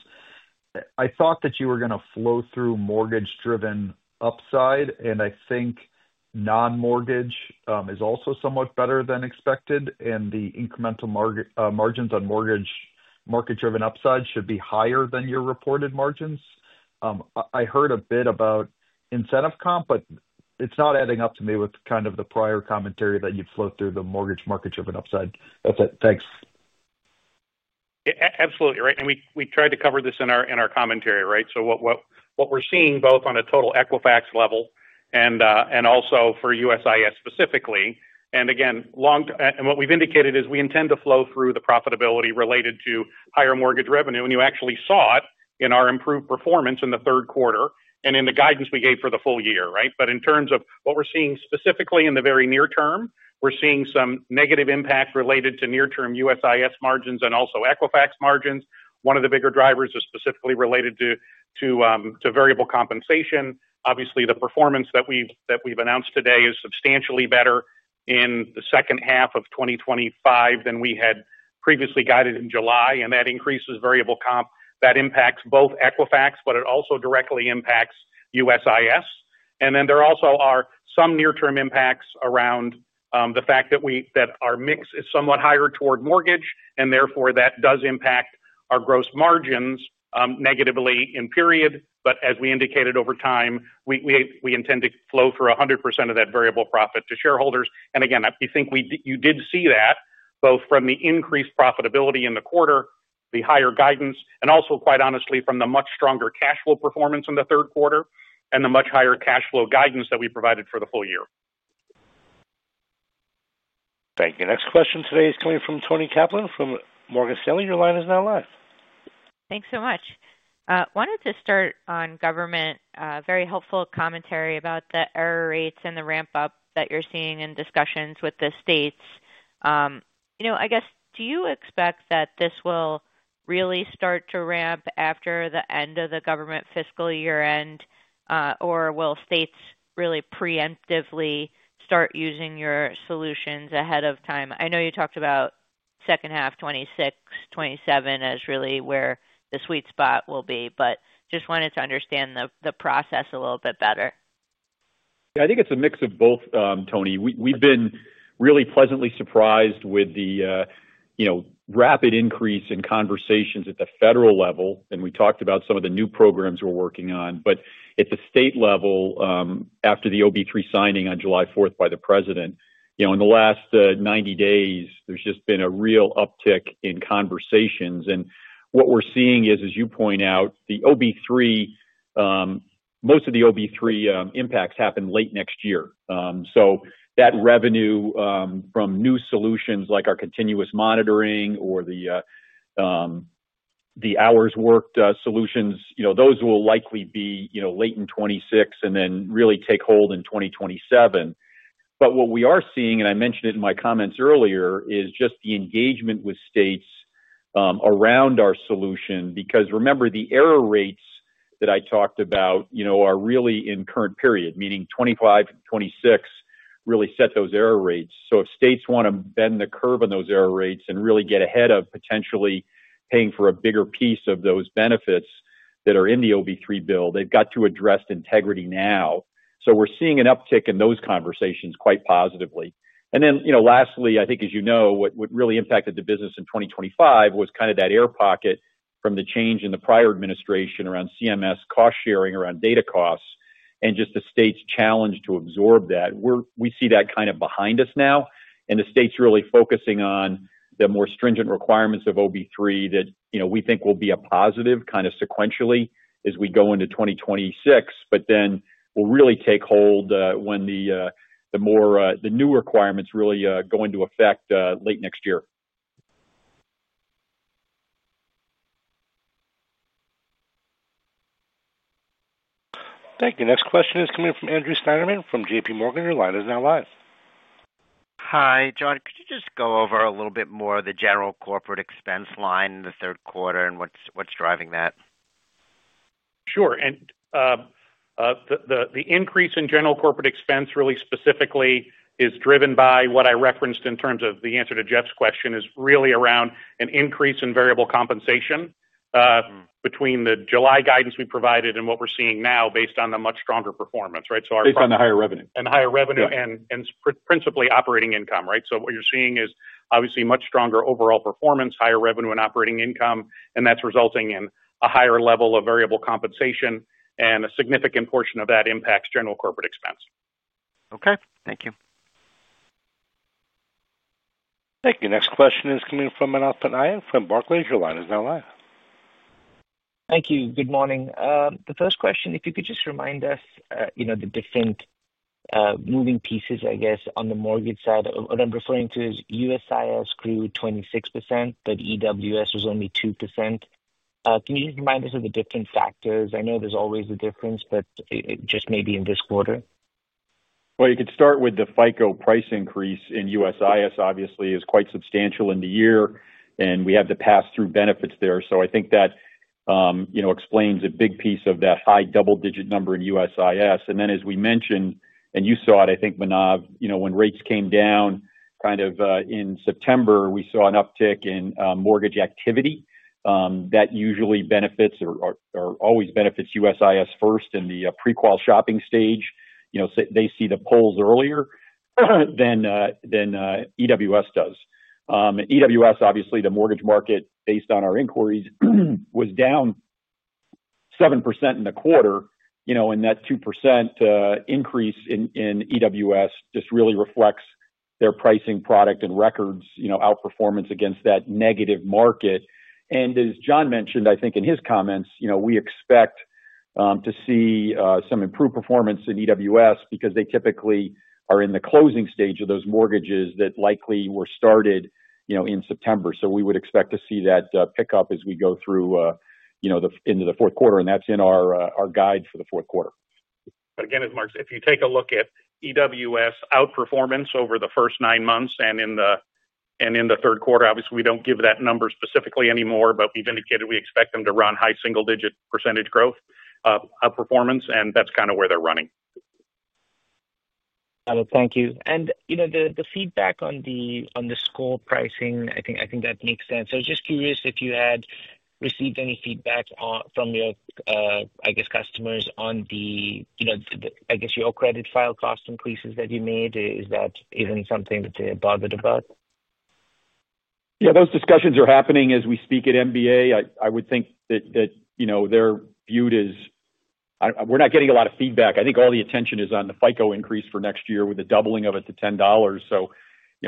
I thought that you were going to flow through mortgage-driven upside, and I think non-mortgage is also somewhat better than expected. The incremental margins on mortgage market-driven upside should be higher than your reported margins. I heard a bit about incentive comp, but it's not adding up to me with the prior commentary that you'd float through the mortgage market-driven upside. That's it. Thanks. Absolutely, right? We tried to cover this in our commentary, right? What we're seeing both on a total Equifax level and also for USIS specifically, and what we've indicated is we intend to flow through the profitability related to higher mortgage revenue. You actually saw it in our improved performance in the third quarter and in the guidance we gave for the full year, right? In terms of what we're seeing specifically in the very near term, we're seeing some negative impact related to near-term USIS margins and also Equifax margins. One of the bigger drivers is specifically related to variable compensation. Obviously, the performance that we've announced today is substantially better in the second half of 2025 than we had previously guided in July, and that increases variable comp. That impacts both Equifax, but it also directly impacts USIS. There also are some near-term impacts around the fact that our mix is somewhat higher toward mortgage, and therefore that does impact our gross margins negatively in period. As we indicated over time, we intend to flow through 100% of that variable profit to shareholders. I think you did see that both from the increased profitability in the quarter, the higher guidance, and also quite honestly from the much stronger cash flow performance in the third quarter and the much higher cash flow guidance that we provided for the full year. Thank you. Next question today is coming from Toni Kaplan from Morgan Stanley. Your line is now live. Thanks so much. I wanted to start on government, a very helpful commentary about the error rates and the ramp-up that you're seeing in discussions with the states. Do you expect that this will really start to ramp after the end of the government fiscal year end, or will states really preemptively start using your solutions ahead of time? I know you talked about second half 2026, 2027 as really where the sweet spot will be, but just wanted to understand the process a little bit better. Yeah, I think it's a mix of both, Toni. We've been really pleasantly surprised with the rapid increase in conversations at the federal level. We talked about some of the new programs we're working on. At the state level, after the OB3 signing on July 4th by the president, in the last 90 days, there's just been a real uptick in conversations. What we're seeing is, as you point out, the OB3, most of the OB3 impacts happen late next year. That revenue from new solutions like our continuous monitoring or the hours worked solutions, those will likely be late in 2026 and then really take hold in 2027. What we are seeing, and I mentioned it in my comments earlier, is just the engagement with states around our solution. Remember, the error rates that I talked about are really in current period, meaning 2025 and 2026 really set those error rates. If states want to bend the curve on those error rates and really get ahead of potentially paying for a bigger piece of those benefits that are in the OB3 bill, they've got to address integrity now. We're seeing an uptick in those conversations quite positively. Lastly, I think, as you know, what really impacted the business in 2025 was kind of that air pocket from the change in the prior administration around CMS cost sharing, around data costs, and just the state's challenge to absorb that. We see that kind of behind us now. The state's really focusing on the more stringent requirements of OB3 that we think will be a positive kind of sequentially as we go into 2026. They will really take hold when the new requirements really go into effect late next year. Thank you. Next question is coming from Andrew Steinerman from JPMorgan. Your line is now live. Hi, John. Could you just go over a little bit more of the general corporate expense line in the third quarter and what's driving that? Sure. The increase in general corporate expense really specifically is driven by what I referenced in terms of the answer to Jeff's question. It is really around an increase in variable compensation between the July guidance we provided and what we're seeing now based on the much stronger performance, right? So our product. Based on the higher revenue. The higher revenue and principally operating income, right? What you're seeing is obviously much stronger overall performance, higher revenue and operating income, and that's resulting in a higher level of variable compensation. A significant portion of that impacts general corporate expense. Okay. Thank you. Thank you. Next question is coming from [Manav Punai] in from Barclays. Your line is now live. Thank you. Good morning. The first question, if you could just remind us, you know, the different moving pieces, I guess, on the mortgage side. What I'm referring to is USIS grew 26%, but EWS was only 2%. Can you just remind us of the different factors? I know there's always a difference, but just maybe in this quarter? You could start with the FICO price increase in USIS. Obviously, it was quite substantial in the year, and we have the pass-through benefits there. I think that explains a big piece of that high double-digit number in USIS. As we mentioned, and you saw it, I think, Manav, when rates came down kind of in September, we saw an uptick in mortgage activity. That usually benefits or always benefits USIS first in the pre-qual shopping stage. They see the pulls earlier than EWS does. EWS, obviously, the mortgage market based on our inquiries was down 7% in the quarter. That 2% increase in EWS just really reflects their pricing, product, and records outperformance against that negative market. As John mentioned, I think in his comments, we expect to see some improved performance in EWS because they typically are in the closing stage of those mortgages that likely were started in September. We would expect to see that pickup as we go through the end of the fourth quarter. That is in our guide for the fourth quarter. If you take a look at EWS outperformance over the first nine months and in the third quarter, obviously, we do not give that number specifically anymore, but we have indicated we expect them to run high single-digit percentage growth outperformance, and that is kind of where they are running. Thank you. The feedback on the score pricing, I think that makes sense. I was just curious if you had received any feedback from your customers on your credit file cost increases that you made. Is that even something that they're bothered about? Yeah, those discussions are happening as we speak at MBA. I would think that, you know, they're viewed as we're not getting a lot of feedback. I think all the attention is on the FICO increase for next year with the doubling of it to $10.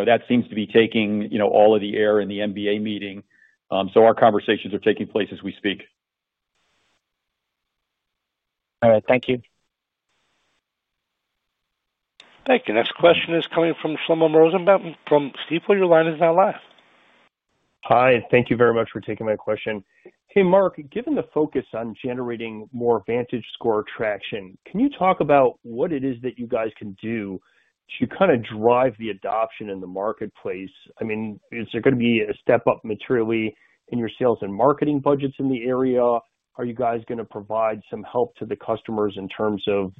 That seems to be taking all of the air in the MBA meeting. Our conversations are taking place as we speak. All right. Thank you. Thank you. Next question is coming from Shlomo Rosenbaum from Stifel. Your line is now live. Hi, and thank you very much for taking my question. Hey, Mark, given the focus on generating more VantageScore traction, can you talk about what it is that you guys can do to kind of drive the adoption in the marketplace? I mean, is there going to be a step up materially in your sales and marketing budgets in the area? Are you guys going to provide some help to the customers in terms of,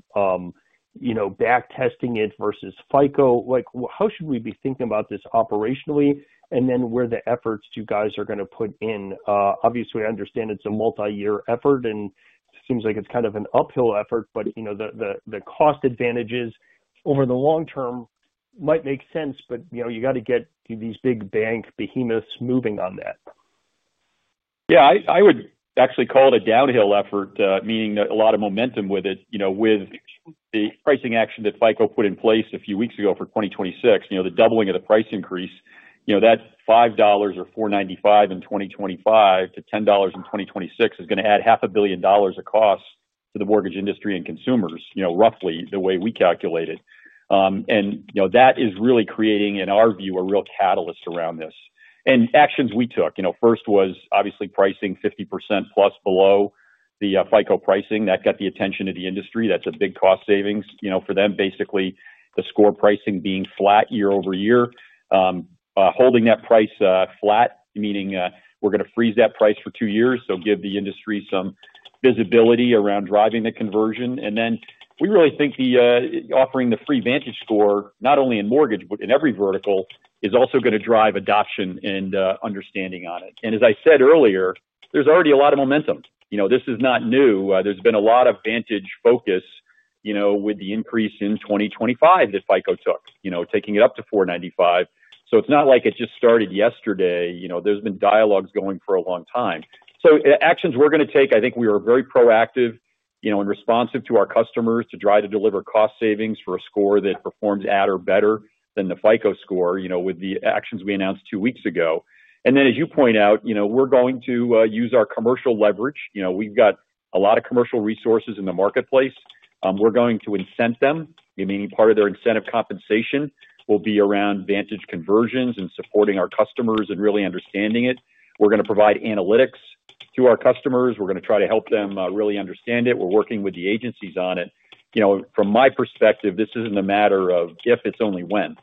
you know, back testing it versus FICO? Like, how should we be thinking about this operationally? Where are the efforts you guys are going to put in? Obviously, I understand it's a multi-year effort, and it seems like it's kind of an uphill effort, but you know, the cost advantages over the long term might make sense, but you know, you got to get these big bank behemoths moving on that. Yeah, I would actually call it a downhill effort, meaning a lot of momentum with it, with the pricing action that FICO put in place a few weeks ago for 2026, the doubling of the price increase. That $5 or $4.95 in 2025 to $10 in 2026 is going to add half a billion dollars of costs to the mortgage industry and consumers, roughly the way we calculate it. That is really creating, in our view, a real catalyst around this. Actions we took, first was obviously pricing 50%+ below the FICO pricing. That got the attention of the industry. That's a big cost savings for them. Basically, the score pricing being flat year over year, holding that price flat, meaning we're going to freeze that price for two years, gives the industry some visibility around driving the conversion. We really think the offering, the free VantageScore, not only in mortgage but in every vertical, is also going to drive adoption and understanding on it. As I said earlier, there's already a lot of momentum. This is not new. There's been a lot of Vantage focus with the increase in 2025 that FICO took, taking it up to $4.95. It's not like it just started yesterday. There's been dialogues going for a long time. Actions we're going to take, I think we are very proactive and responsive to our customers to try to deliver cost savings for a score that performs at or better than the FICO score, with the actions we announced two weeks ago. As you point out, we're going to use our commercial leverage. We've got a lot of commercial resources in the marketplace. We're going to incent them, meaning part of their incentive compensation will be around Vantage conversions and supporting our customers and really understanding it. We're going to provide analytics to our customers. We're going to try to help them really understand it. We're working with the agencies on it. From my perspective, this isn't a matter of if, it's only when.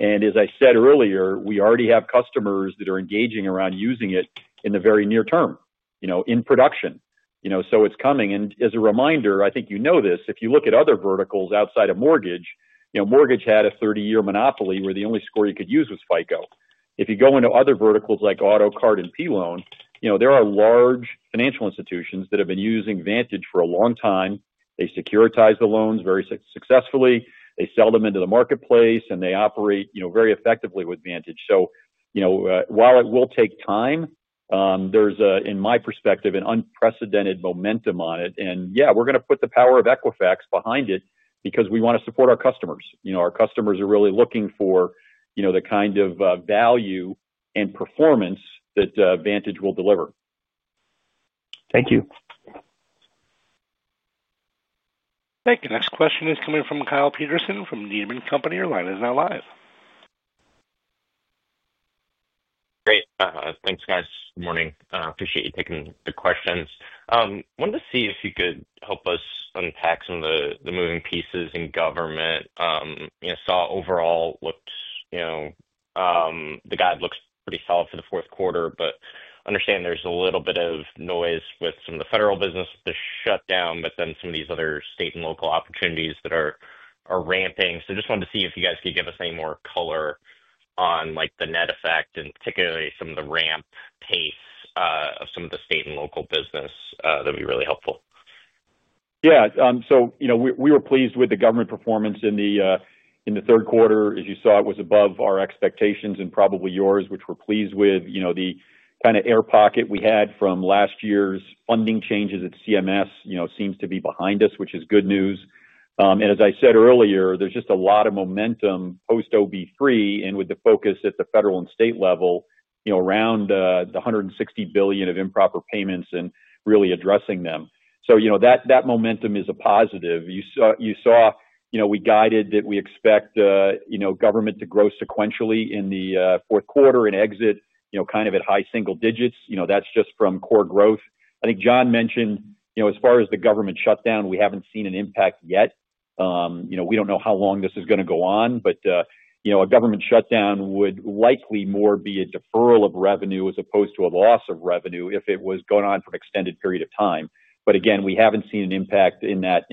As I said earlier, we already have customers that are engaging around using it in the very near term, in production. It's coming. As a reminder, I think you know this, if you look at other verticals outside of mortgage, mortgage had a 30-year monopoly where the only score you could use was FICO. If you go into other verticals like auto, card, and P loan, there are large financial institutions that have been using Vantage for a long time. They securitize the loans very successfully, sell them into the marketplace, and operate very effectively with Vantage. While it will take time, there's, in my perspective, an unprecedented momentum on it. We're going to put the power of Equifax behind it because we want to support our customers. Our customers are really looking for the kind of value and performance that Vantage will deliver. Thank you. Thank you. Next question is coming from Kyle Peterson from Needham & Company. Your line is now live. Great. Thanks, guys. Good morning. Appreciate you taking the questions. Wanted to see if you could help us unpack some of the moving pieces in government. Saw overall, the guide looks pretty solid for the fourth quarter, but understand there's a little bit of noise with some of the federal business with the shutdown, and then some of these other state and local opportunities that are ramping. Just wanted to see if you guys could give us any more color on the net effect and particularly some of the ramp pace of some of the state and local business. That would be really helpful. Yeah. So, you know, we were pleased with the government performance in the third quarter. As you saw, it was above our expectations and probably yours, which we're pleased with. The kind of air pocket we had from last year's funding changes at CMS seems to be behind us, which is good news. As I said earlier, there's just a lot of momentum post-OB3 and with the focus at the federal and state level around the $160 billion of improper payments and really addressing them. That momentum is a positive. You saw we guided that we expect government to grow sequentially in the fourth quarter and exit at high single digits. That's just from core growth. I think John mentioned, as far as the government shutdown, we haven't seen an impact yet. We don't know how long this is going to go on, but a government shutdown would likely more be a deferral of revenue as opposed to a loss of revenue if it was going on for an extended period of time. Again, we haven't seen an impact in that.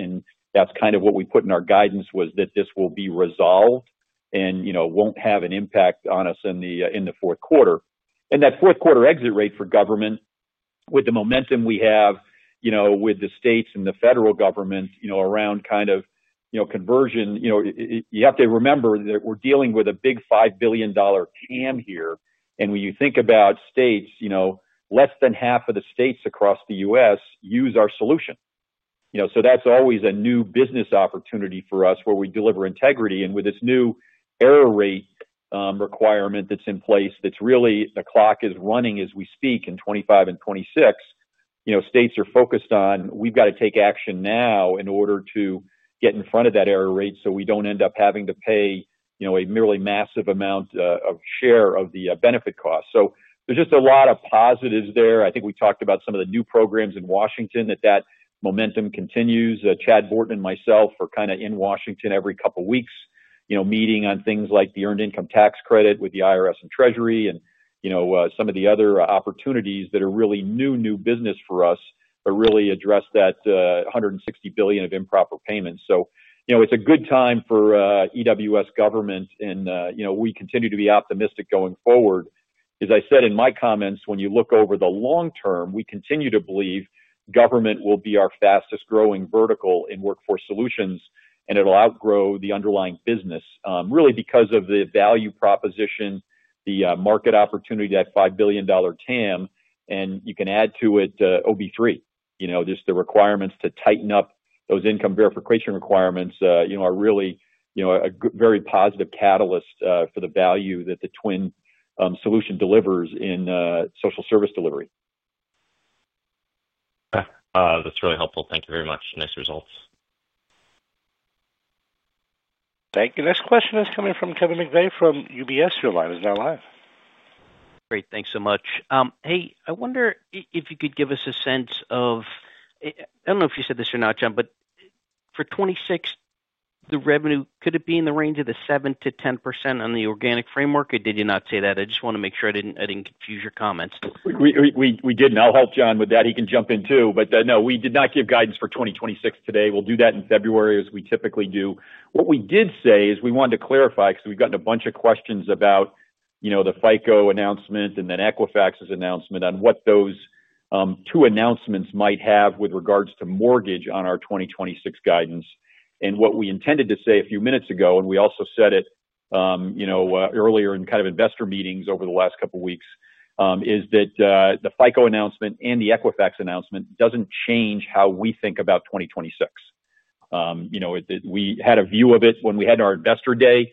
That's kind of what we put in our guidance, that this will be resolved and won't have an impact on us in the fourth quarter. That fourth quarter exit rate for government, with the momentum we have with the states and the federal government around conversion, you have to remember that we're dealing with a big $5 billion TAM here. When you think about states, less than half of the states across the U.S. use our solution. That's always a new business opportunity for us where we deliver integrity. With this new error rate requirement that's in place, the clock is running as we speak in 2025 and 2026. States are focused on, we've got to take action now in order to get in front of that error rate so we don't end up having to pay a merely massive amount of share of the benefit cost. There's just a lot of positives there. I think we talked about some of the new programs in Washington that that momentum continues. Chad Borton and myself are in Washington every couple of weeks, meeting on things like the earned income tax credit with the IRS and Treasury and some of the other opportunities that are really new, new business for us that really address that $160 billion of improper payments. It's a good time for EWS government, and we continue to be optimistic going forward. As I said in my comments, when you look over the long term, we continue to believe government will be our fastest growing vertical in Workforce Solutions, and it'll outgrow the underlying business really because of the value proposition, the market opportunity, that $5 billion TAM, and you can add to it OB3. The requirements to tighten up those income verification requirements are really a very positive catalyst for the value that the twin solution delivers in social service delivery. That's really helpful. Thank you very much. Nice results. Thank you. Next question is coming from Kevin McVeigh from UBS. Your line is now live. Great. Thanks so much. Hey, I wonder if you could give us a sense of, I don't know if you said this or not, John, but for 2026, the revenue, could it be in the range of the 7%-10% on the organic framework, or did you not say that? I just want to make sure I didn't confuse your comments. We didn't. I'll help John with that. He can jump in too. No, we did not give guidance for 2026 today. We'll do that in February as we typically do. What we did say is we wanted to clarify because we've gotten a bunch of questions about the FICO announcement and then Equifax's announcement on what those two announcements might have with regards to mortgage on our 2026 guidance. What we intended to say a few minutes ago, and we also said it earlier in investor meetings over the last couple of weeks, is that the FICO announcement and the Equifax announcement doesn't change how we think about 2026. We had a view of it when we had our investor day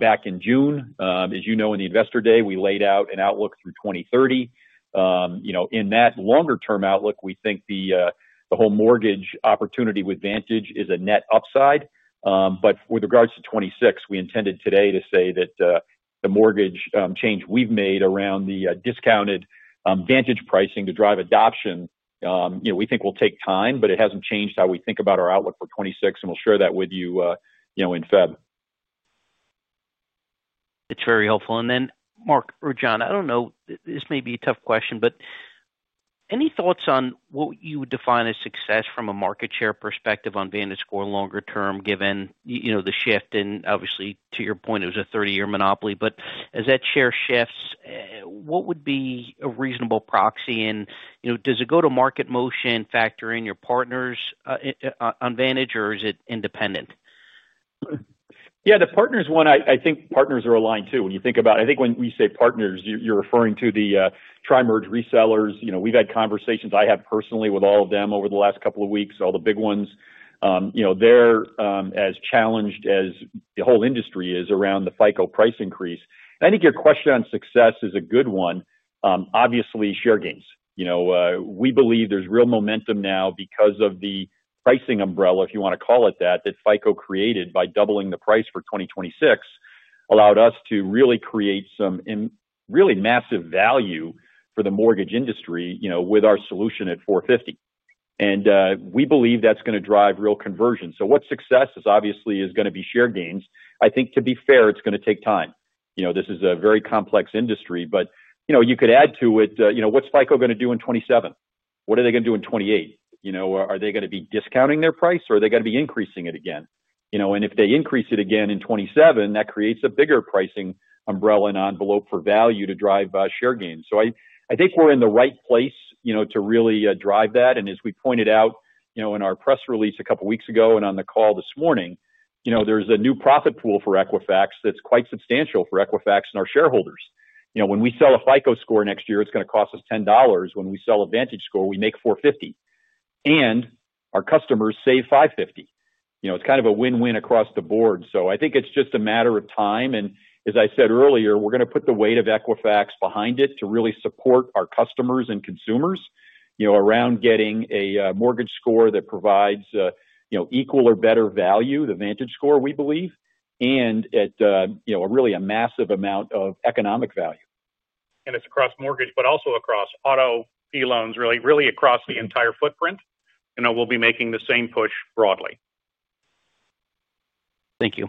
back in June. As you know, in the investor day, we laid out an outlook through 2030. In that longer-term outlook, we think the whole mortgage opportunity with Vantage is a net upside. With regards to 2026, we intended today to say that the mortgage change we've made around the discounted Vantage pricing to drive adoption, we think will take time, but it hasn't changed how we think about our outlook for 2026, and we'll share that with you in February. That's very helpful. Mark or John, I don't know, this may be a tough question, but any thoughts on what you would define as success from a market share perspective on VantageScore longer term, given, you know, the shift in, obviously, to your point, it was a 30-year monopoly. As that share shifts, what would be a reasonable proxy? Does a go-to-market motion factor in your partners on Vantage, or is it independent? Yeah, the partners one, I think partners are aligned too. When you think about, I think when we say partners, you're referring to the tri-merge resellers. We've had conversations, I have personally with all of them over the last couple of weeks, all the big ones. They're as challenged as the whole industry is around the FICO price increase. I think your question on success is a good one. Obviously, share gains. We believe there's real momentum now because of the pricing umbrella, if you want to call it that, that FICO created by doubling the price for 2026 allowed us to really create some really massive value for the mortgage industry with our solution at $4.50. We believe that's going to drive real conversion. What success is obviously going to be is share gains. I think, to be fair, it's going to take time. This is a very complex industry, but you could add to it, what's FICO going to do in 2027? What are they going to do in 2028? Are they going to be discounting their price, or are they going to be increasing it again? If they increase it again in 2027, that creates a bigger pricing umbrella and envelope for value to drive share gains. I think we're in the right place to really drive that. As we pointed out in our press release a couple of weeks ago and on the call this morning, there's a new profit pool for Equifax that's quite substantial for Equifax and our shareholders. When we sell a FICO score next year, it's going to cost us $10. When we sell a VantageScore, we make $4.50, and our customers save $5.50. It's kind of a win-win across the board. I think it's just a matter of time. As I said earlier, we're going to put the weight of Equifax behind it to really support our customers and consumers around getting a mortgage score that provides equal or better value, the VantageScore, we believe, and at really a massive amount of economic value. It's across mortgage, but also across auto, P loans, really, really across the entire footprint. We'll be making the same push broadly. Thank you.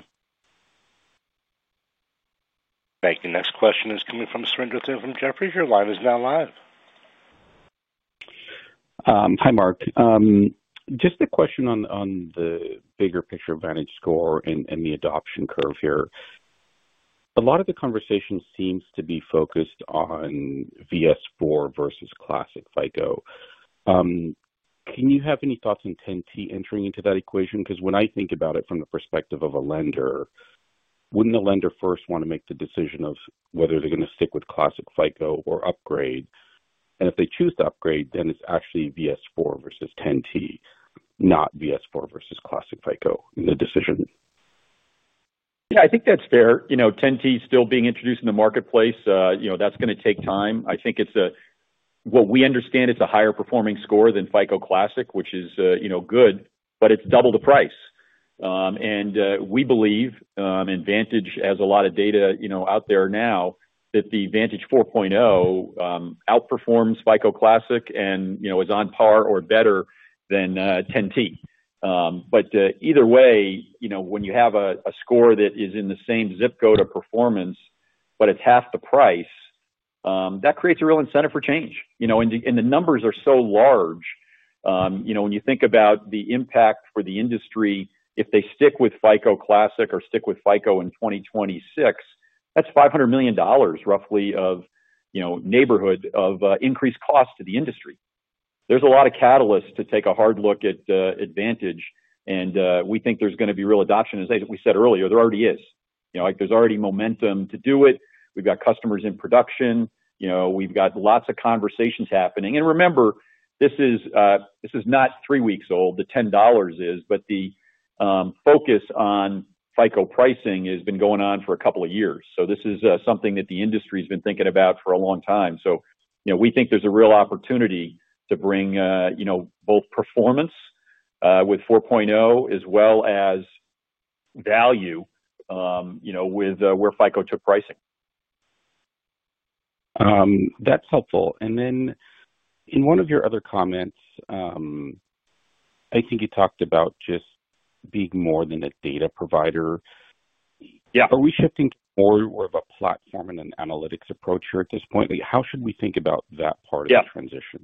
Thank you. Next question is coming from Surinder Thind from Jefferies. Your line is now live. Hi, Mark. Just a question on the bigger picture of VantageScore and the adoption curve here. A lot of the conversation seems to be focused on VS4 versus classic FICO. Do you have any thoughts on 10T entering into that equation? Because when I think about it from the perspective of a lender, wouldn't the lender first want to make the decision of whether they're going to stick with classic FICO or upgrade? If they choose to upgrade, then it's actually VS4 versus 10T, not VS4 versus classic FICO in the decision. Yeah, I think that's fair. You know, 10T is still being introduced in the marketplace. That's going to take time. I think it's a, what we understand, it's a higher performing score than FICO classic, which is good, but it's double the price. We believe, and Vantage has a lot of data out there now that the Vantage 4.0 outperforms FICO classic and is on par or better than 10T. Either way, when you have a score that is in the same zip code of performance, but it's half the price, that creates a real incentive for change. The numbers are so large. When you think about the impact for the industry, if they stick with FICO classic or stick with FICO in 2026, that's $500 million roughly of increased cost to the industry. There's a lot of catalysts to take a hard look at Vantage, and we think there's going to be real adoption. As we said earlier, there already is. There's already momentum to do it. We've got customers in production. We've got lots of conversations happening. Remember, this is not three weeks old. The $10 is, but the focus on FICO pricing has been going on for a couple of years. This is something that the industry has been thinking about for a long time, we think there's a real opportunity to bring both performance with 4.0 as well as value with where FICO took pricing. That's helpful. In one of your other comments, I think you talked about just being more than a data provider. Yeah. Are we shifting to more of a platform and an analytics approach here at this point? How should we think about that part of the transition?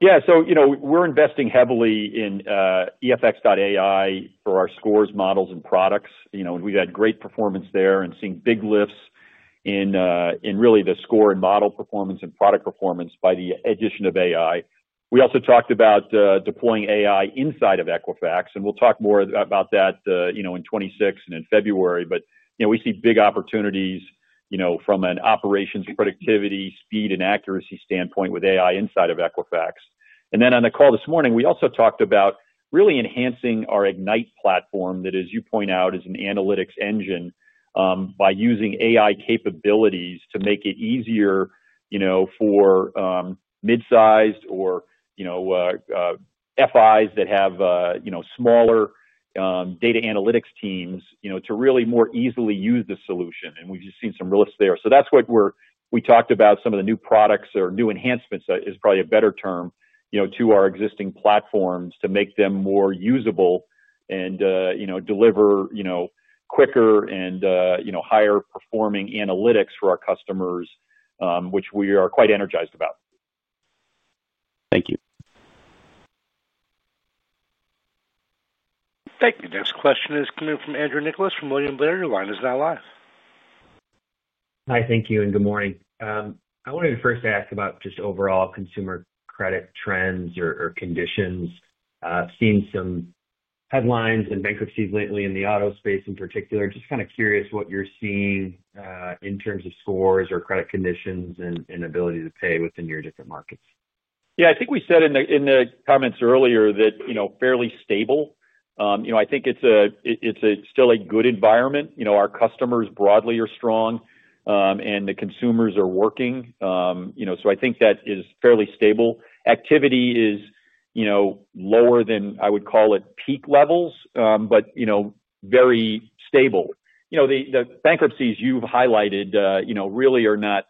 Yeah. Yeah. You know, we're investing heavily in EFX.AI for our scores, models, and products. We've had great performance there and seen big lifts in really the score and model performance and product performance by the addition of AI. We also talked about deploying AI inside of Equifax. We'll talk more about that in 2026 and in February. We see big opportunities from an operations productivity, speed, and accuracy standpoint with AI inside of Equifax. On the call this morning, we also talked about really enhancing our Ignite platform that, as you point out, is an analytics engine, by using AI capabilities to make it easier for mid-sized or FIs that have smaller data analytics teams to really more easily use the solution. We've just seen some real lifts there. That's what we talked about, some of the new products or new enhancements, is probably a better term, to our existing platforms to make them more usable and deliver quicker and higher-performing analytics for our customers, which we are quite energized about. Thank you. Thank you. Next question is coming from Andrew Nicholas from William Blair. The line is now live. Hi. Thank you and good morning. I wanted to first ask about just overall consumer credit trends or conditions. I've seen some headlines and bankruptcies lately in the auto space in particular. Just kind of curious what you're seeing in terms of scores or credit conditions and ability to pay within your different markets. Yeah. I think we said in the comments earlier that, you know, fairly stable. I think it's still a good environment. You know, our customers broadly are strong, and the consumers are working. I think that is fairly stable. Activity is lower than I would call it peak levels, but very stable. The bankruptcies you've highlighted really are not,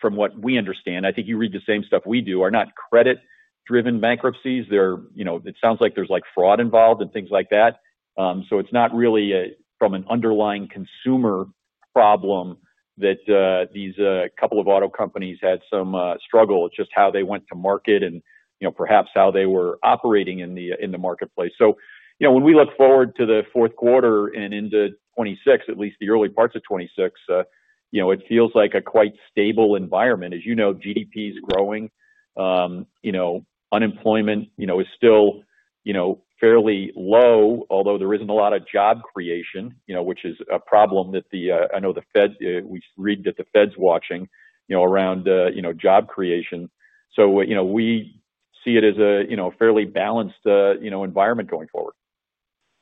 from what we understand—I think you read the same stuff we do—are not credit-driven bankruptcies. It sounds like there's fraud involved and things like that. It's not really from an underlying consumer problem that these couple of auto companies had some struggle. It's just how they went to market and perhaps how they were operating in the marketplace. When we look forward to the fourth quarter and into 2026, at least the early parts of 2026, it feels like a quite stable environment. As you know, GDP is growing. Unemployment is still fairly low, although there isn't a lot of job creation, which is a problem that the, I know the Fed—we read that the Fed's watching—around job creation. We see it as a fairly balanced environment going forward.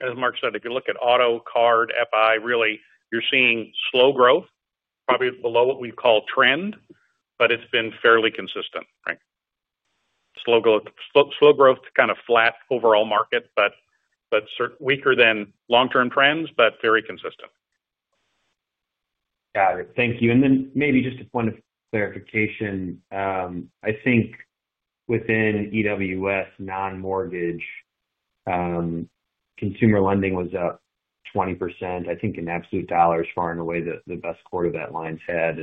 As Mark said, if you look at auto, card, FI, really, you're seeing slow growth, probably below what we call trend, but it's been fairly consistent, right? Slow growth, slow growth to kind of flat overall market, but certainly weaker than long-term trends, but very consistent. Got it. Thank you. Maybe just a point of clarification, I think within EWS non-mortgage, consumer lending was up 20%. I think in absolute dollars far and away the best quarter that line has had.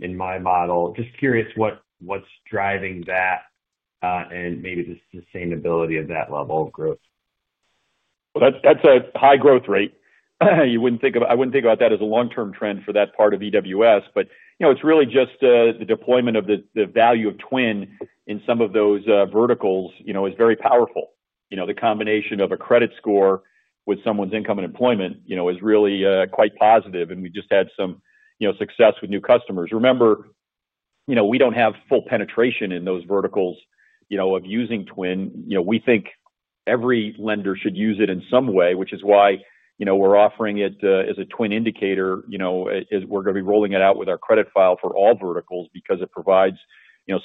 In my model, just curious what's driving that, and maybe the sustainability of that level of growth. That's a high growth rate. I wouldn't think about that as a long-term trend for that part of EWS. It's really just the deployment of the value of Twin in some of those verticals, you know, is very powerful. The combination of a credit score with someone's income and employment is really quite positive. We just had some success with new customers. Remember, we don't have full penetration in those verticals of using Twin. We think every lender should use it in some way, which is why we're offering it as a Twin indicator, as we're going to be rolling it out with our credit file for all verticals because it provides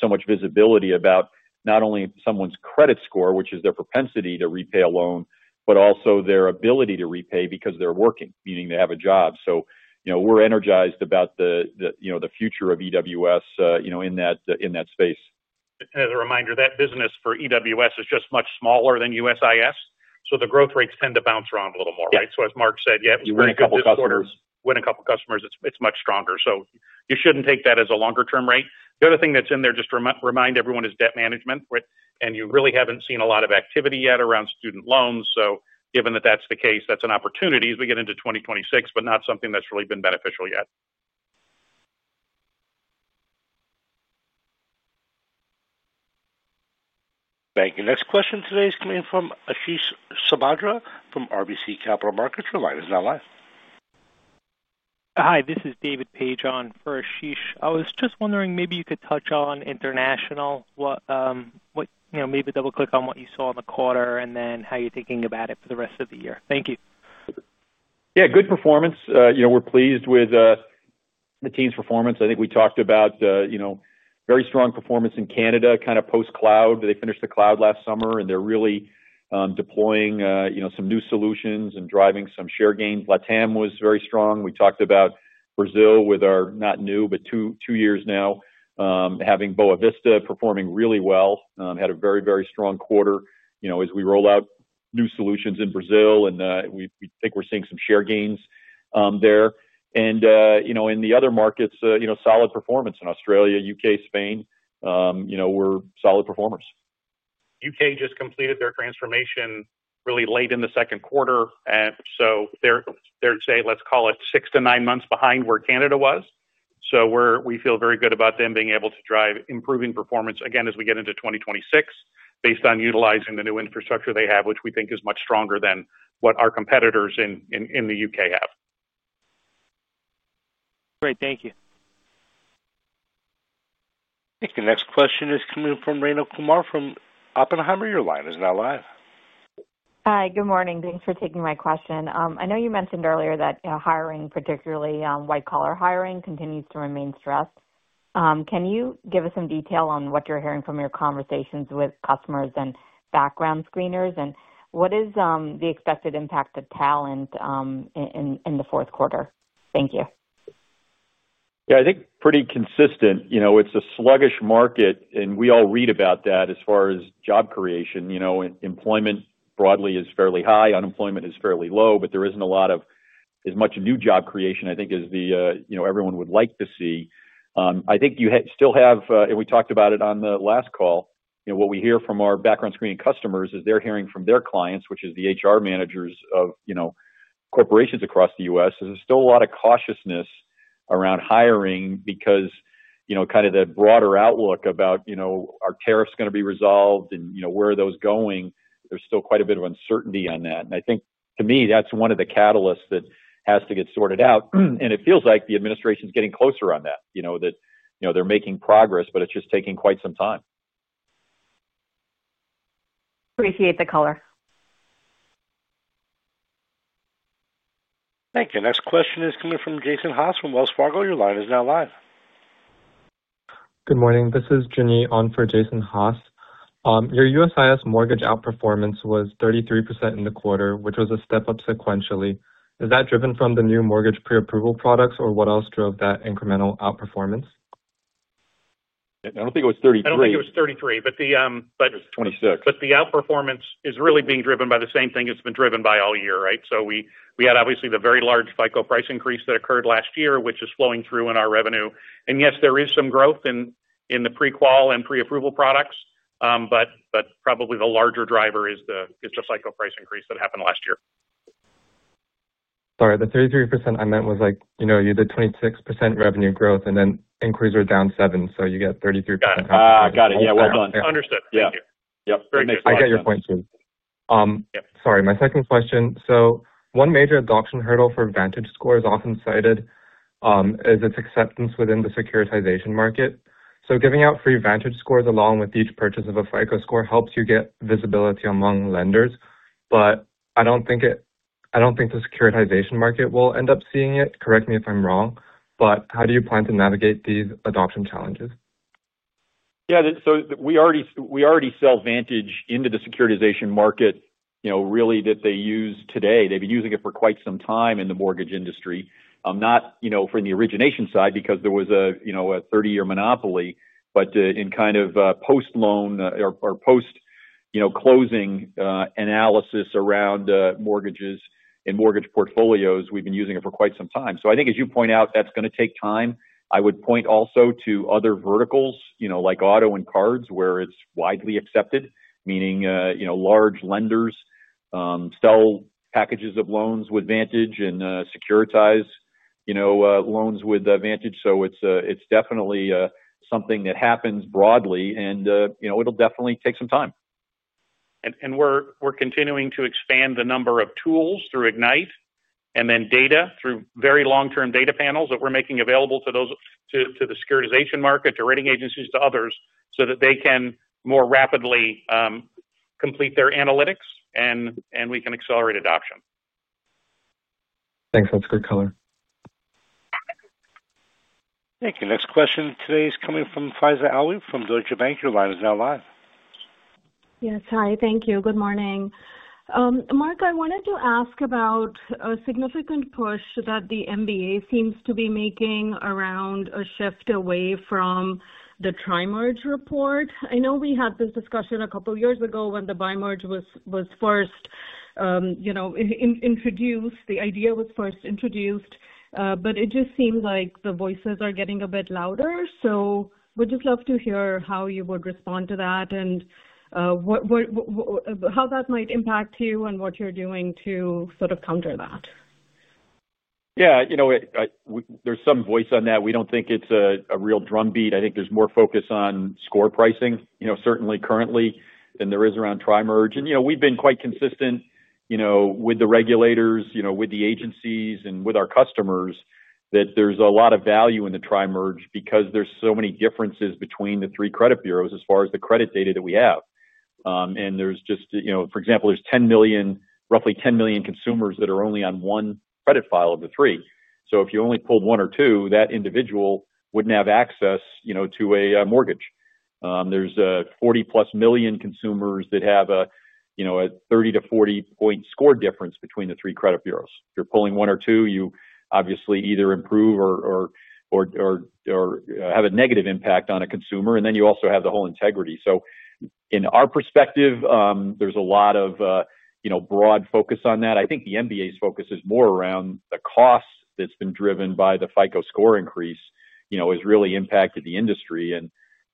so much visibility about not only someone's credit score, which is their propensity to repay a loan, but also their ability to repay because they're working, meaning they have a job. We're energized about the future of EWS in that space. As a reminder, that business for EWS is just much smaller than USIS. The growth rates tend to bounce around a little more, right? As Mark said, yeah, it was very good. Yeah, we had a couple of customers. We had a couple of customers. It's much stronger. You shouldn't take that as a longer-term rate. The other thing that's in there, just to remind everyone, is debt management, right? You really haven't seen a lot of activity yet around student loans. Given that that's the case, that's an opportunity as we get into 2026, but not something that's really been beneficial yet. Thank you. Next question today is coming from Ashish Sabhadra from RBC Capital Markets. Your line is now live. Hi. This is David Paige on for Ashish. I was just wondering, maybe you could touch on international, what, you know, maybe double-click on what you saw in the quarter, and then how you're thinking about it for the rest of the year. Thank you. Yeah. Good performance. You know, we're pleased with the team's performance. I think we talked about, you know, very strong performance in Canada, kind of post-cloud. They finished the cloud last summer, and they're really deploying, you know, some new solutions and driving some share gains. LATAM was very strong. We talked about Brazil with our not new, but two years now, having Boa Vista performing really well. Had a very, very strong quarter, you know, as we roll out new solutions in Brazil. We think we're seeing some share gains there. In the other markets, you know, solid performance in Australia, U.K., Spain, you know, were solid performers. U.K. just completed their transformation really late in the second quarter. They're, let's call it, six to nine months behind where Canada was. We feel very good about them being able to drive improving performance again as we get into 2026 based on utilizing the new infrastructure they have, which we think is much stronger than what our competitors in the U.K. have. Great. Thank you. I think the next question is coming from Rayna Kumar from Oppenheimer. Your line is now live. Hi. Good morning. Thanks for taking my question. I know you mentioned earlier that, you know, hiring, particularly white-collar hiring, continues to remain stressed. Can you give us some detail on what you're hearing from your conversations with customers and background screeners? What is the expected impact of talent in the fourth quarter? Thank you. Yeah. I think pretty consistent. You know, it's a sluggish market. We all read about that as far as job creation. You know, employment broadly is fairly high. Unemployment is fairly low. There isn't as much new job creation, I think, as everyone would like to see. You still have, and we talked about it on the last call, what we hear from our background screening customers is they're hearing from their clients, which is the HR managers of corporations across the U.S., is there's still a lot of cautiousness around hiring because, you know, kind of the broader outlook about, you know, are tariffs going to be resolved and, you know, where are those going? There's still quite a bit of uncertainty on that. I think, to me, that's one of the catalysts that has to get sorted out. It feels like the administration is getting closer on that, that they're making progress, but it's just taking quite some time. Appreciate the color. Thank you. Next question is coming from Jason Haas from Wells Fargo. Your line is now live. Good morning. This is Jimmy on for Jason Haas. Your USIS mortgage outperformance was 33% in the quarter, which was a step up sequentially. Is that driven from the new mortgage pre-approval products, or what else drove that incremental outperformance? I don't think it was 33%. I don't think it was 33%, but the. It was 26%. The outperformance is really being driven by the same thing it's been driven by all year, right? We had, obviously, the very large FICO price increase that occurred last year, which is flowing through in our revenue. Yes, there is some growth in the pre-qual and pre-approval products, but probably the larger driver is the FICO price increase that happened last year. Sorry. The 33% I meant was like, you know, you did 26% revenue growth, and then increase was down 7%, so you get 33%. Got it. Yeah. Well done. Understood. Thank you. Yeah, yep. Very nice job. I got your point, too. Sorry. My second question. One major adoption hurdle for VantageScore is often cited as its acceptance within the securitization market. Giving out free VantageScores along with each purchase of a FICO score helps you get visibility among lenders. I don't think the securitization market will end up seeing it. Correct me if I'm wrong. How do you plan to navigate these adoption challenges? Yeah. We already sell Vantage into the securitization market, you know, really that they use today. They've been using it for quite some time in the mortgage industry. I'm not, you know, from the origination side because there was a, you know, a 30-year monopoly. In kind of post-loan or post-closing analysis around mortgages and mortgage portfolios, we've been using it for quite some time. I think, as you point out, that's going to take time. I would point also to other verticals, you know, like auto and cards, where it's widely accepted, meaning, you know, large lenders sell packages of loans with Vantage and securitize loans with Vantage. It's definitely something that happens broadly. It'll definitely take some time. We're continuing to expand the number of tools through Ignite and then data through very long-term data panels that we're making available to those in the securitization market, to rating agencies, to others so that they can more rapidly complete their analytics and we can accelerate adoption. Thanks. That's a great color. Thank you. Next question today is coming from Faiza Alwy from Deutsche Bank. Your line is now live. Yes. Hi. Thank you. Good morning. Mark, I wanted to ask about a significant push that the MBA seems to be making around a shift away from the tri-merge report. I know we had this discussion a couple of years ago when the bi-merge was first introduced. The idea was first introduced. It just seems like the voices are getting a bit louder. We'd just love to hear how you would respond to that and what that might impact you and what you're doing to sort of counter that. Yeah. You know, there's some voice on that. We don't think it's a real drumbeat. I think there's more focus on score pricing, certainly currently than there is around tri-merge. We've been quite consistent with the regulators, with the agencies, and with our customers that there's a lot of value in the tri-merge because there's so many differences between the three credit bureaus as far as the credit data that we have. For example, there's roughly 10 million consumers that are only on one credit file of the three. If you only pulled one or two, that individual wouldn't have access to a mortgage. There's 40+ million consumers that have a 30-40-point score difference between the three credit bureaus. If you're pulling one or two, you obviously either improve or have a negative impact on a consumer. You also have the whole integrity. In our perspective, there's a lot of broad focus on that. I think the MBA's focus is more around the cost that's been driven by the FICO score increase, which has really impacted the industry.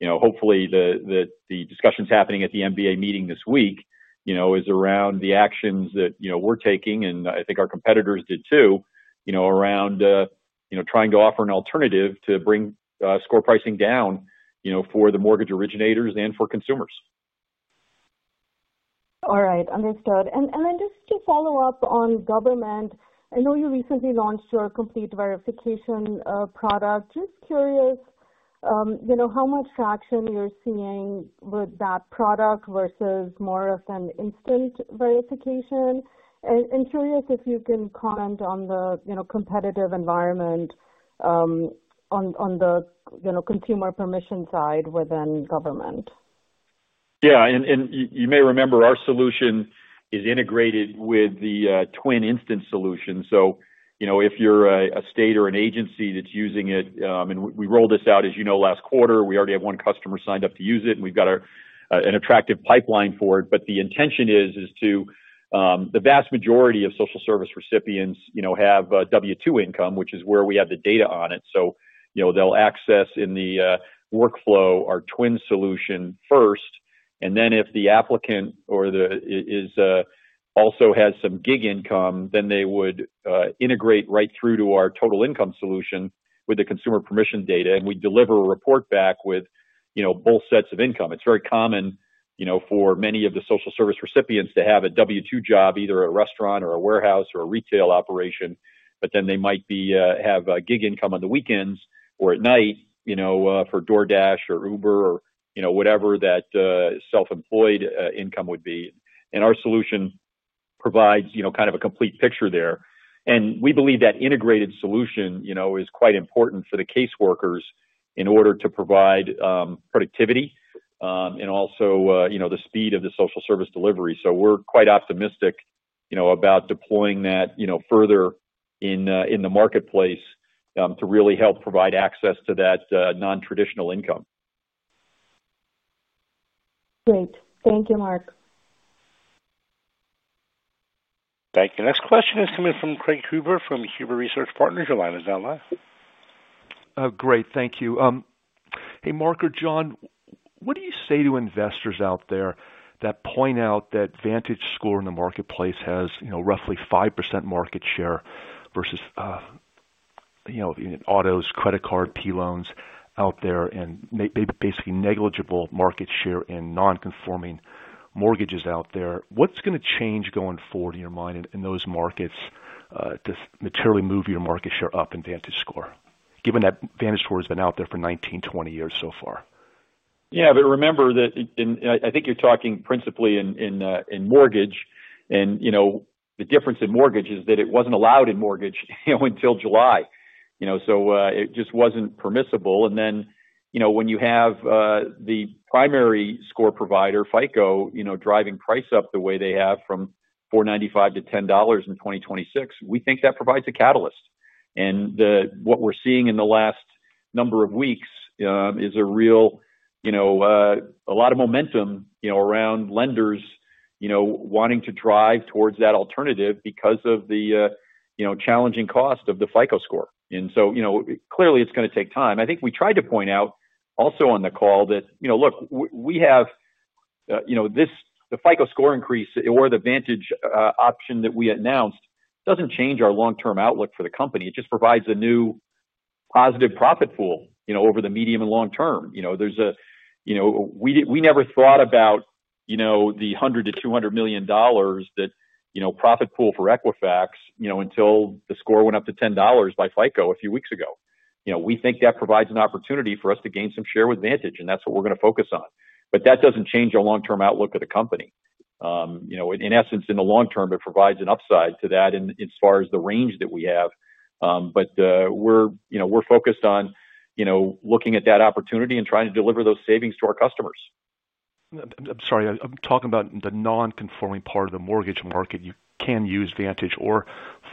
Hopefully, the discussions happening at the MBA meeting this week are around the actions that we're taking, and I think our competitors did too, around trying to offer an alternative to bring score pricing down for the mortgage originators and for consumers. All right. Understood. Just to follow up on government, I know you recently launched your complete verification product. I'm just curious how much traction you're seeing with that product versus more of an instant verification. I'm curious if you can comment on the competitive environment on the consumer permission side within government. Yeah. You may remember our solution is integrated with the Twin instance Solution. If you're a state or an agency that's using it, we rolled this out last quarter. We already have one customer signed up to use it, and we've got an attractive pipeline for it. The intention is, the vast majority of social service recipients have W-2 income, which is where we have the data on it. They'll access in the workflow our Twin Solution first, and then if the applicant also has some gig income, they would integrate right through to our total income solution with the consumer permission data. We deliver a report back with both sets of income. It's very common for many of the social service recipients to have a W-2 job, either a restaurant or a warehouse or a retail operation, but then they might have a gig income on the weekends or at night, for DoorDash or Uber or whatever that self-employed income would be. Our solution provides kind of a complete picture there. We believe that integrated solution is quite important for the caseworkers in order to provide productivity, and also the speed of the social service delivery. We're quite optimistic about deploying that further in the marketplace to really help provide access to that non-traditional income. Great. Thank you, Mark. Thank you. Next question is coming from Craig Huber from Huber Research Partners. Your line is now live. Oh, great. Thank you. Hey, Mark or John, what do you say to investors out there that point out that VantageScore in the marketplace has, you know, roughly 5% market share versus, you know, autos, credit card, P loans out there and maybe basically negligible market share in nonconforming mortgages out there? What's going to change going forward in your mind in those markets, to materially move your market share up in VantageScore given that VantageScore has been out there for 19, 20 years so far? Yeah. Remember that, and I think you're talking principally in mortgage. The difference in mortgage is that it wasn't allowed in mortgage until July, so it just wasn't permissible. When you have the primary score provider, FICO, driving price up the way they have from $4.95 to $10 in 2026, we think that provides a catalyst. What we're seeing in the last number of weeks is a lot of momentum around lenders wanting to drive towards that alternative because of the challenging cost of the FICO score. Clearly, it's going to take time. I think we tried to point out also on the call that, look, we have this, the FICO score increase or the Vantage option that we announced doesn't change our long-term outlook for the company. It just provides a new positive profit pool over the medium and long term. We never thought about the $100 million-$200 million profit pool for Equifax until the score went up to $10 by FICO a few weeks ago. We think that provides an opportunity for us to gain some share with Vantage, and that's what we're going to focus on. That doesn't change our long-term outlook of the company. In essence, in the long term, it provides an upside to that as far as the range that we have, but we're focused on looking at that opportunity and trying to deliver those savings to our customers. I'm sorry. I'm talking about the nonconforming part of the mortgage market. You can use Vantage or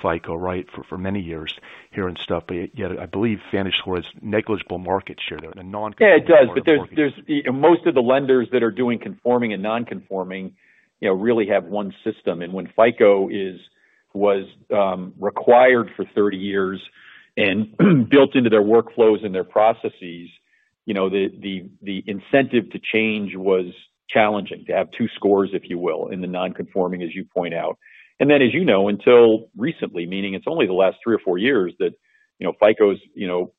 FICO, right, for many years here and stuff. I believe Vantage has negligible market share though in the nonconforming part. Yeah, it does. There's, you know, most of the lenders that are doing conforming and nonconforming really have one system. When FICO was required for 30 years and built into their workflows and their processes, the incentive to change was challenging to have two scores, if you will, in the nonconforming, as you point out. As you know, until recently, meaning it's only the last three or four years that FICO's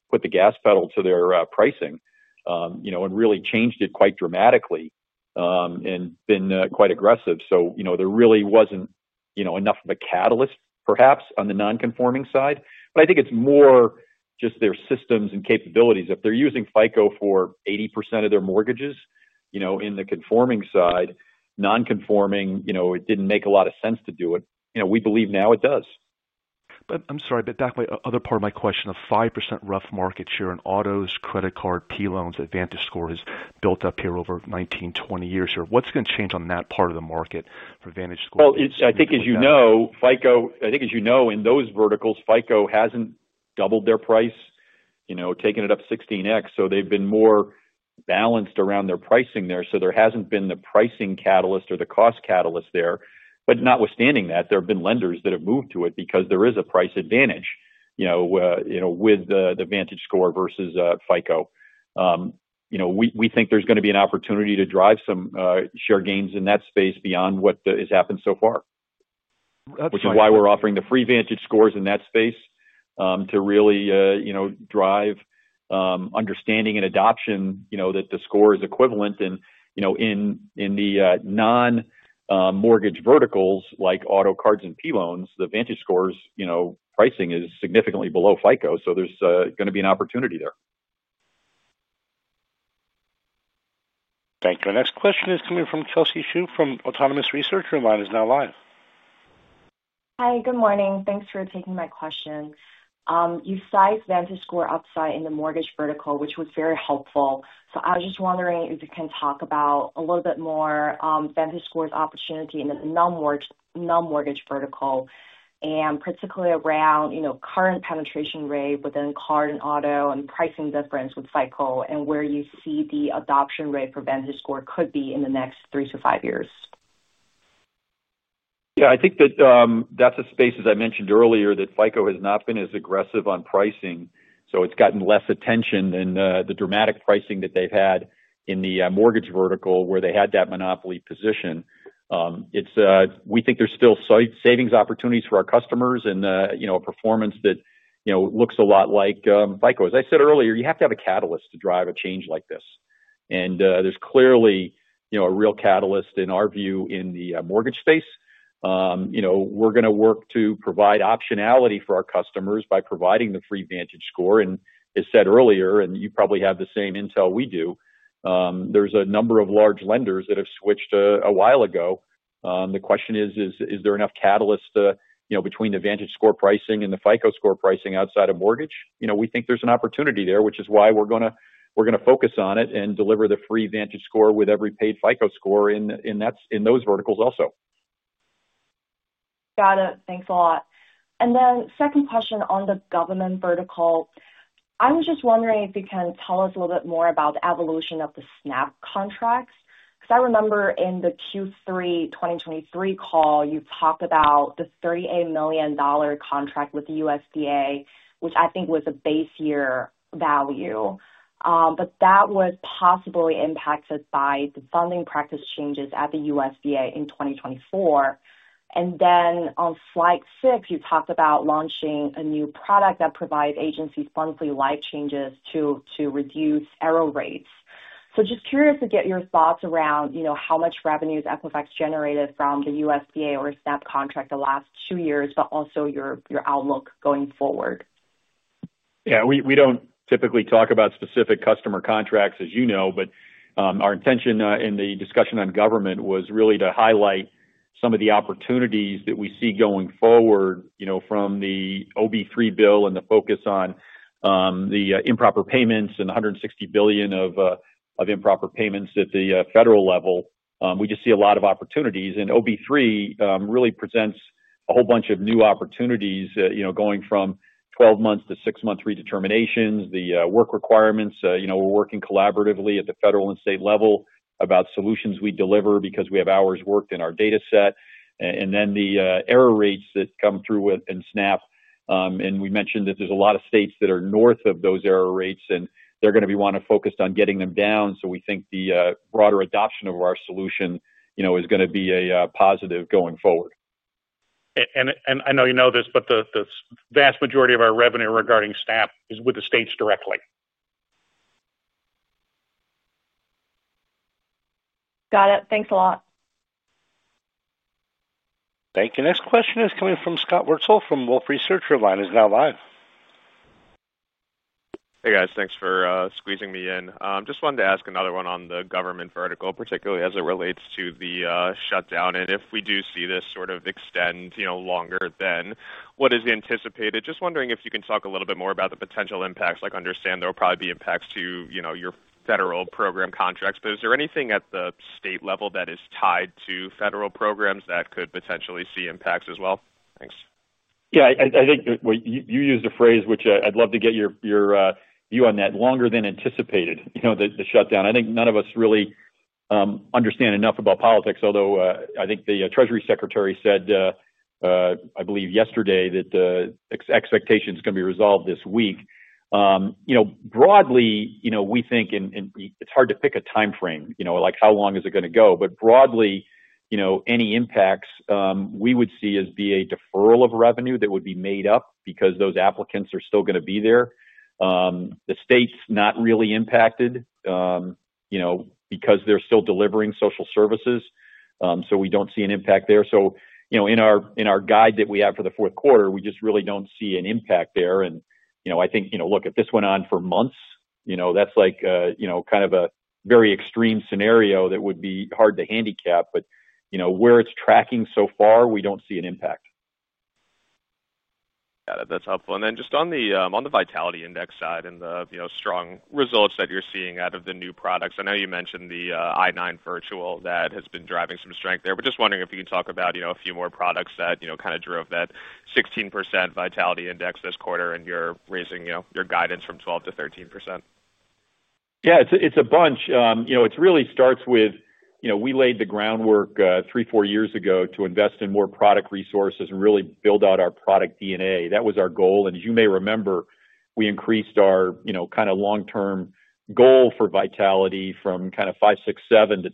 put the gas pedal to their pricing and really changed it quite dramatically, and been quite aggressive. There really wasn't enough of a catalyst perhaps on the nonconforming side. I think it's more just their systems and capabilities. If they're using FICO for 80% of their mortgages in the conforming side, nonconforming, it didn't make a lot of sense to do it. We believe now it does. I'm sorry. Back to my other part of my question of 5% rough market share in autos, credit card, P loans that VantageScore has built up here over 19, 20 years here. What's going to change on that part of the market for VantageScore? I think, as you know, in those verticals, FICO hasn't doubled their price, taken it up 16x. They've been more balanced around their pricing there. There hasn't been the pricing catalyst or the cost catalyst there. Notwithstanding that, there have been lenders that have moved to it because there is a price advantage with the VantageScore versus FICO. We think there's going to be an opportunity to drive some share gains in that space beyond what has happened so far. That's great. Which is why we're offering the free Vantage scores in that space to really drive understanding and adoption, that the score is equivalent. In the non-mortgage verticals like auto, cards, and P loans, the VantageScore's pricing is significantly below FICO. There's going to be an opportunity there. Thank you. Our next question is coming from Kelsey Zhu from Autonomous Research. Your line is now live. Hi. Good morning. Thanks for taking my question. You sized VantageScore upside in the mortgage vertical, which was very helpful. I was just wondering if you can talk about a little bit more, VantageScore's opportunity in the non-mortgage vertical and particularly around, you know, current penetration rate within card and auto and pricing difference with FICO and where you see the adoption rate for VantageScore could be in the next three to five years. Yeah. I think that that's a space, as I mentioned earlier, that FICO has not been as aggressive on pricing. So it's gotten less attention than the dramatic pricing that they've had in the mortgage vertical where they had that monopoly position. We think there's still savings opportunities for our customers and, you know, a performance that, you know, looks a lot like FICO. As I said earlier, you have to have a catalyst to drive a change like this. There's clearly, you know, a real catalyst in our view in the mortgage space. We're going to work to provide optionality for our customers by providing the free VantageScore. As said earlier, and you probably have the same intel we do, there's a number of large lenders that have switched a while ago. The question is, is there enough catalyst, you know, between the VantageScore pricing and the FICO score pricing outside of mortgage? We think there's an opportunity there, which is why we're going to focus on it and deliver the free VantageScore with every paid FICO score in those verticals also. Got it. Thanks a lot. Second question on the government vertical. I was just wondering if you can tell us a little bit more about the evolution of the SNAP contracts because I remember in the Q3 2023 call, you talked about the $38 million contract with the USDA, which I think was a base year value. That was possibly impacted by the funding practice changes at the USDA in 2024. On slide 6, you talked about launching a new product that provides agencies monthly life changes to reduce error rates. Just curious to get your thoughts around how much revenue has Equifax generated from the USDA or SNAP contract the last two years, but also your outlook going forward. Yeah. We don't typically talk about specific customer contracts, as you know. Our intention in the discussion on government was really to highlight some of the opportunities that we see going forward, you know, from the OB3 bill and the focus on the improper payments and $160 billion of improper payments at the federal level. We just see a lot of opportunities. OB3 really presents a whole bunch of new opportunities, going from 12 months to 6-month redeterminations, the work requirements. We're working collaboratively at the federal and state level about solutions we deliver because we have hours worked in our data set. The error rates that come through within SNAP, and we mentioned that there's a lot of states that are north of those error rates. They're going to be wanting to focus on getting them down. We think the broader adoption of our solution is going to be a positive going forward. I know you know this, but the vast majority of our revenue regarding SNAP is with the states directly. Got it. Thanks a lot. Thank you. Next question is coming from Scott Wurtzel from Wolfe Research. Your line is now live. Hey, guys. Thanks for squeezing me in. I just wanted to ask another one on the government vertical, particularly as it relates to the shutdown. If we do see this sort of extend longer than what is anticipated, just wondering if you can talk a little bit more about the potential impacts. I understand there will probably be impacts to your federal program contracts. Is there anything at the state level that is tied to federal programs that could potentially see impacts as well? Thanks. Yeah. I think you used a phrase, which I'd love to get your view on, that longer than anticipated, you know, the shutdown. I think none of us really understand enough about politics, although I think the Treasury Secretary said, I believe yesterday, that expectations can be resolved this week. Broadly, we think, and it's hard to pick a time frame, you know, like how long is it going to go. Broadly, any impacts, we would see as being a deferral of revenue that would be made up because those applicants are still going to be there. The state's not really impacted, you know, because they're still delivering social services. We don't see an impact there. In our guide that we have for the fourth quarter, we just really don't see an impact there. I think, you know, look, if this went on for months, that's like, you know, kind of a very extreme scenario that would be hard to handicap. Where it's tracking so far, we don't see an impact. Got it. That's helpful. On the Vitality Index side and the strong results that you're seeing out of the new products, I know you mentioned the I-9 virtual that has been driving some strength there. I'm just wondering if you can talk about a few more products that kind of drove that 16% Vitality Index this quarter, and you're raising your guidance from 12% to 13%. Yeah. It's a bunch. You know, it really starts with, you know, we laid the groundwork three, four years ago to invest in more product resources and really build out our product DNA. That was our goal. As you may remember, we increased our, you know, kind of long-term goal for vitality from kind of 5%, 6%, 7% to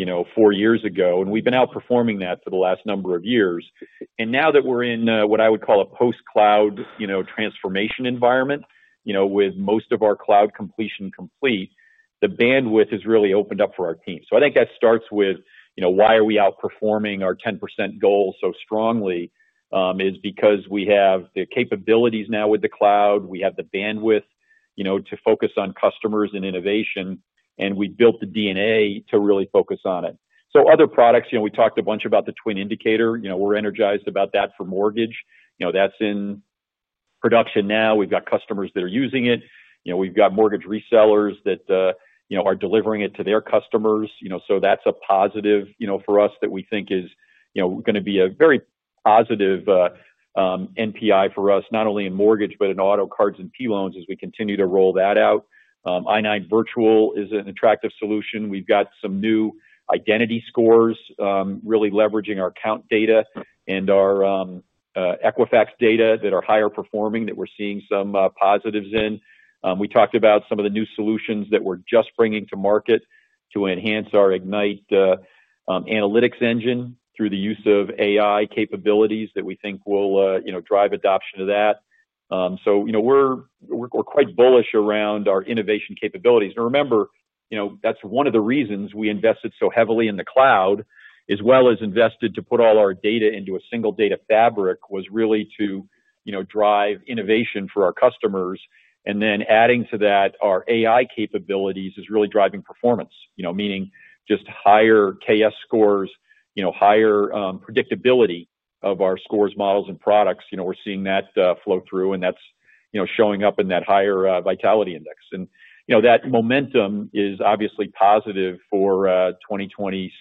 10% four years ago. We've been outperforming that for the last number of years. Now that we're in what I would call a post-cloud transformation environment, with most of our cloud completion complete, the bandwidth has really opened up for our team. I think that starts with, you know, why are we outperforming our 10% goal so strongly, is because we have the capabilities now with the cloud. We have the bandwidth to focus on customers and innovation. We built the DNA to really focus on it. Other products, you know, we talked a bunch about the Twin indicator. We're energized about that for mortgage. That's in production now. We've got customers that are using it. We've got mortgage resellers that are delivering it to their customers. That's a positive for us that we think is going to be a very positive NPI for us, not only in mortgage but in auto, cards, and P loans as we continue to roll that out. I-9 virtual is an attractive solution. We've got some new identity scores, really leveraging our account data and our Equifax data that are higher performing that we're seeing some positives in. We talked about some of the new solutions that we're just bringing to market to enhance our Ignite analytics engine through the use of AI capabilities that we think will drive adoption of that. We're quite bullish around our innovation capabilities. Remember, that's one of the reasons we invested so heavily in the cloud as well as invested to put all our data into a single data fabric was really to drive innovation for our customers. Adding to that, our AI capabilities is really driving performance, meaning just higher KS scores, higher predictability of our scores, models, and products. We're seeing that flow through. That's showing up in that higher Vitality Index. That momentum is obviously positive for 2026.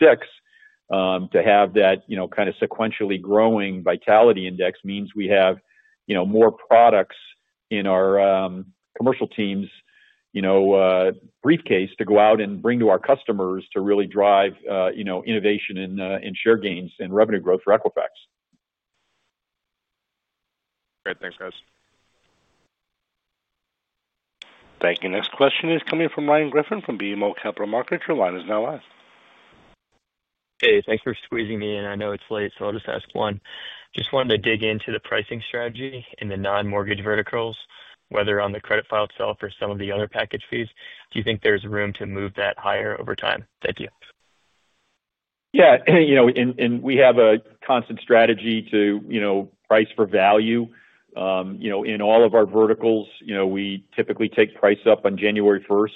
To have that kind of sequentially growing Vitality Index means we have more products in our commercial teams' briefcase to go out and bring to our customers to really drive innovation and share gains and revenue growth for Equifax. Great. Thanks, guys. Thank you. Next question is coming from Ryan Griffin from BMO Capital Markets. Your line is now live. Hey, thanks for squeezing me in. I know it's late, so I'll just ask one. Just wanted to dig into the pricing strategy in the non-mortgage verticals, whether on the credit file itself or some of the other package fees. Do you think there's room to move that higher over time? Thank you. Yeah, we have a constant strategy to price for value. In all of our verticals, we typically take price up on January 1.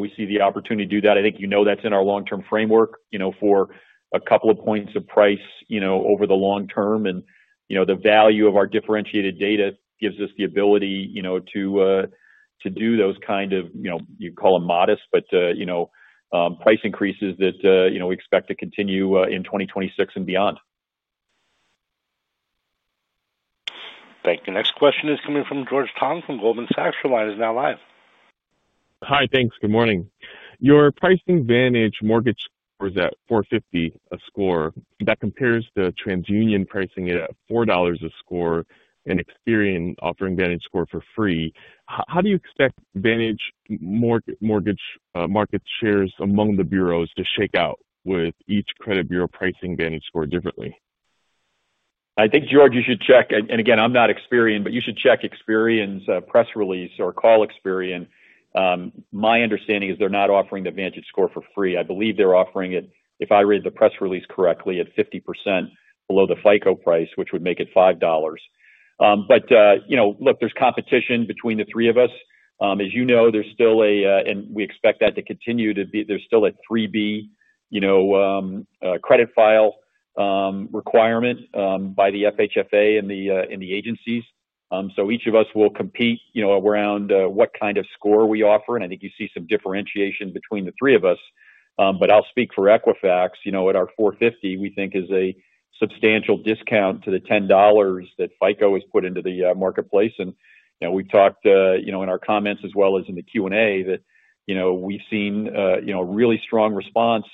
We see the opportunity to do that. I think that's in our long-term framework for a couple of points of price over the long term. The value of our differentiated data gives us the ability to do those kind of, you call them modest, but price increases that we expect to continue in 2026 and beyond. Thank you. Next question is coming from George Tong from Goldman Sachs. Your line is now live. Hi. Thanks. Good morning. Your pricing VantageScore mortgage score is at $4.50 a score. That compares to TransUnion pricing at $4 a score and Experian offering VantageScore for free. How do you expect Vantage mortgage market shares among the bureaus to shake out with each credit bureau pricing VantageScore differently? I think, George, you should check. Again, I'm not Experian, but you should check Experian's press release or call Experian. My understanding is they're not offering the VantageScore for free. I believe they're offering it, if I read the press release correctly, at 50% below the FICO price, which would make it $5. You know, look, there's competition between the three of us. As you know, there's still a, and we expect that to continue to be, there's still a 3B credit file requirement by the FHFA and the agencies. Each of us will compete around what kind of score we offer. I think you see some differentiation between the three of us. I'll speak for Equifax. At our $4.50, we think it is a substantial discount to the $10 that FICO has put into the marketplace. We've talked in our comments as well as in the Q&A that we've seen a really strong response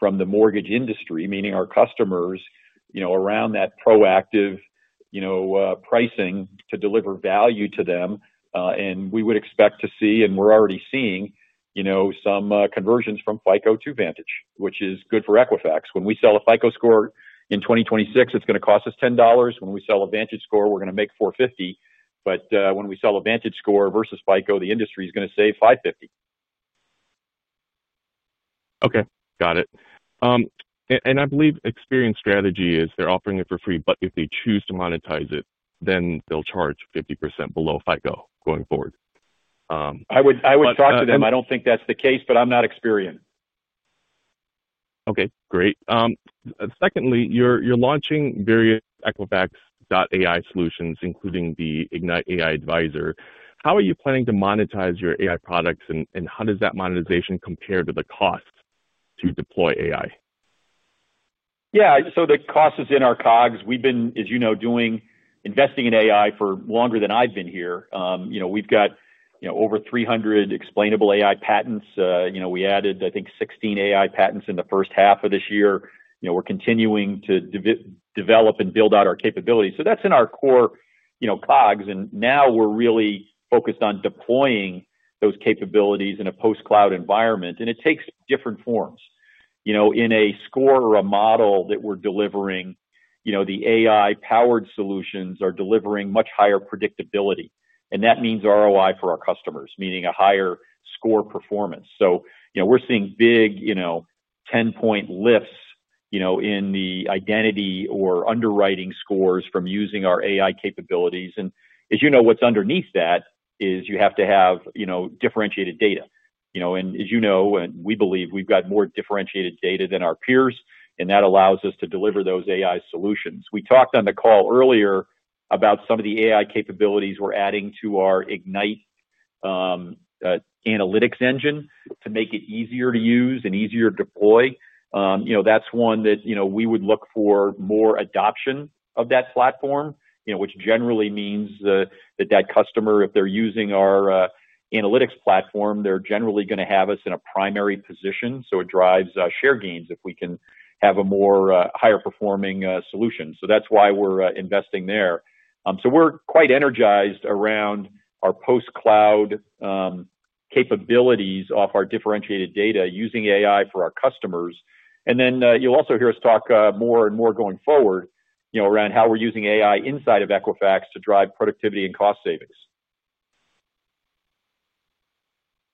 from the mortgage industry, meaning our customers, around that proactive pricing to deliver value to them. We would expect to see, and we're already seeing, some conversions from FICO to Vantage, which is good for Equifax. When we sell a FICO score in 2026, it's going to cost us $10. When we sell a VantageScore, we're going to make $4.50. When we sell a VantageScore versus FICO, the industry is going to save $5.50. Okay. Got it. I believe Experian's strategy is they're offering it for free, but if they choose to monetize it, then they'll charge 50% below FICO going forward. I would talk to them. I don't think that's the case, but I'm not Experian. Okay. Great. Secondly, you're launching various Equifax.AI solutions, including the Ignite AI Advisor. How are you planning to monetize your AI products? How does that monetization compare to the cost to deploy AI? Yeah. The cost is in our COGS. We've been, as you know, investing in AI for longer than I've been here. We've got over 300 explainable AI patents. We added, I think, 16 AI patents in the first half of this year. We're continuing to develop and build out our capabilities. That's in our core COGS. Now we're really focused on deploying those capabilities in a post-cloud environment. It takes different forms. In a score or a model that we're delivering, the AI-powered solutions are delivering much higher predictability. That means ROI for our customers, meaning a higher score performance. We're seeing big 10-point lifts in the identity or underwriting scores from using our AI capabilities. What's underneath that is you have to have differentiated data. We believe we've got more differentiated data than our peers. That allows us to deliver those AI solutions. We talked on the call earlier about some of the AI capabilities we're adding to our Ignite analytics engine to make it easier to use and easier to deploy. That's one that we would look for more adoption of that platform, which generally means that customer, if they're using our analytics platform, they're generally going to have us in a primary position. It drives share gains if we can have a more higher-performing solution. That's why we're investing there. We're quite energized around our post-cloud capabilities off our differentiated data using AI for our customers. You'll also hear us talk more and more going forward around how we're using AI inside of Equifax to drive productivity and cost savings.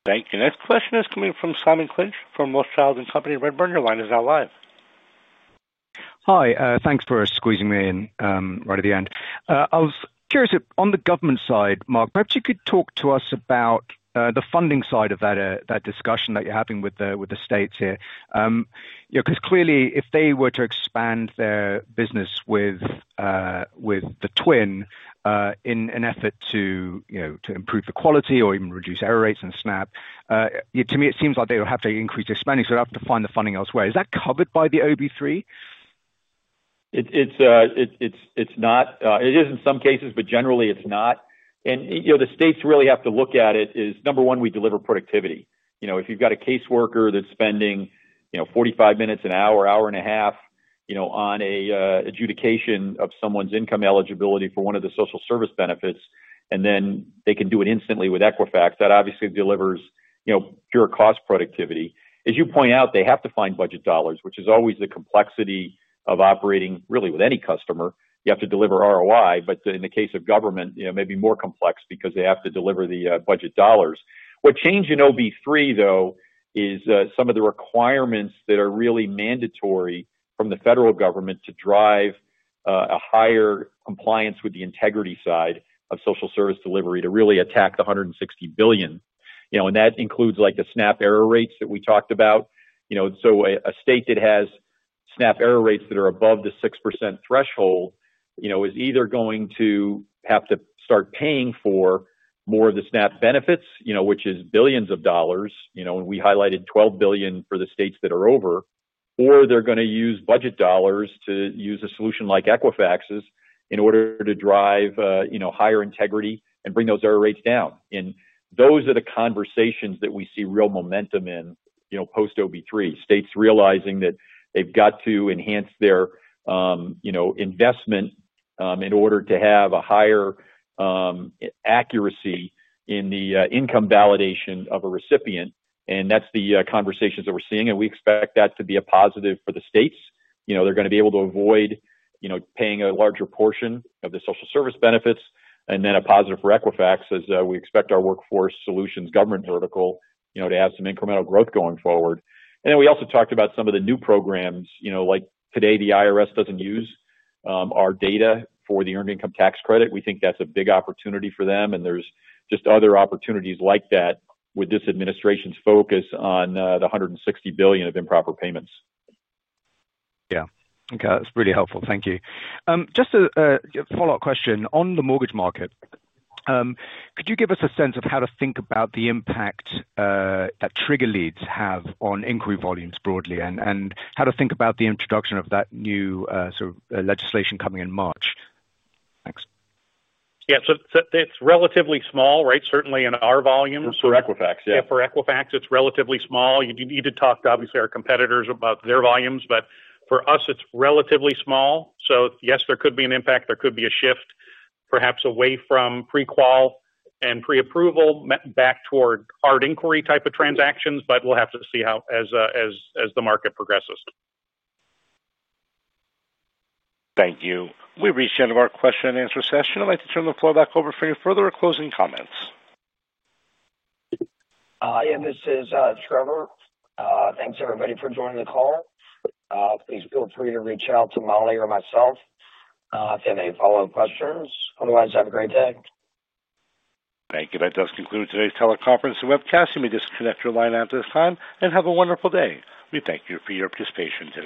Thank you. Next question is coming from Simon Clinch from Rothschild & Company Redburn. Your line is now live. Hi. Thanks for squeezing me in right at the end. I was curious on the government side, Mark, perhaps you could talk to us about the funding side of that discussion that you're having with the states here. You know, because clearly, if they were to expand their business with the Twin in an effort to, you know, to improve the quality or even reduce error rates in SNAP, to me, it seems like they would have to increase expanding. They'd have to find the funding elsewhere. Is that covered by the OB3? It's not. It is in some cases, but generally, it's not. The states really have to look at it as, number one, we deliver productivity. If you've got a caseworker that's spending 45 minutes, an hour, hour and a half on an adjudication of someone's income eligibility for one of the social service benefits, and then they can do it instantly with Equifax, that obviously delivers pure cost productivity. As you point out, they have to find budget dollars, which is always the complexity of operating really with any customer. You have to deliver ROI. In the case of government, it may be more complex because they have to deliver the budget dollars. What changed in OB3, though, is some of the requirements that are really mandatory from the federal government to drive a higher compliance with the integrity side of social service delivery to really attack the $160 billion. That includes like the SNAP error rates that we talked about. A state that has SNAP error rates that are above the 6% threshold is either going to have to start paying for more of the SNAP benefits, which is billions of dollars, and we highlighted $12 billion for the states that are over, or they're going to use budget dollars to use a solution like Equifax's in order to drive higher integrity and bring those error rates down. Those are the conversations that we see real momentum in post-OB3. States realizing that they've got to enhance their investment in order to have a higher accuracy in the income validation of a recipient. That's the conversations that we're seeing. We expect that to be a positive for the states. They're going to be able to avoid paying a larger portion of the social service benefits. A positive for Equifax as we expect our Workforce Solutions government vertical to have some incremental growth going forward. We also talked about some of the new programs, like today, the IRS doesn't use our data for the earned income tax credit. We think that's a big opportunity for them. There are just other opportunities like that with this administration's focus on the $160 billion of improper payments. Yeah. Okay. That's pretty helpful. Thank you. Just a follow-up question. On the mortgage market, could you give us a sense of how to think about the impact that trigger leads have on inquiry volumes broadly, and how to think about the introduction of that new sort of legislation coming in March? Thanks. Yeah, it's relatively small, right? Certainly in our volumes. For Equifax, yeah. For Equifax, it's relatively small. You need to talk to, obviously, our competitors about their volumes. For us, it's relatively small. Yes, there could be an impact. There could be a shift, perhaps away from pre-qual and pre-approval back toward hard inquiry type of transactions. We'll have to see how as the market progresses. Thank you. We reached the end of our question and answer session. I'd like to turn the floor back over for any further or closing comments. Hi. This is Trevor. Thanks, everybody, for joining the call. Please feel free to reach out to Molly or myself if you have any follow-up questions. Otherwise, have a great day. Thank you. That does conclude today's teleconferencing webcast. You may disconnect your line at this time and have a wonderful day. We thank you for your participation today.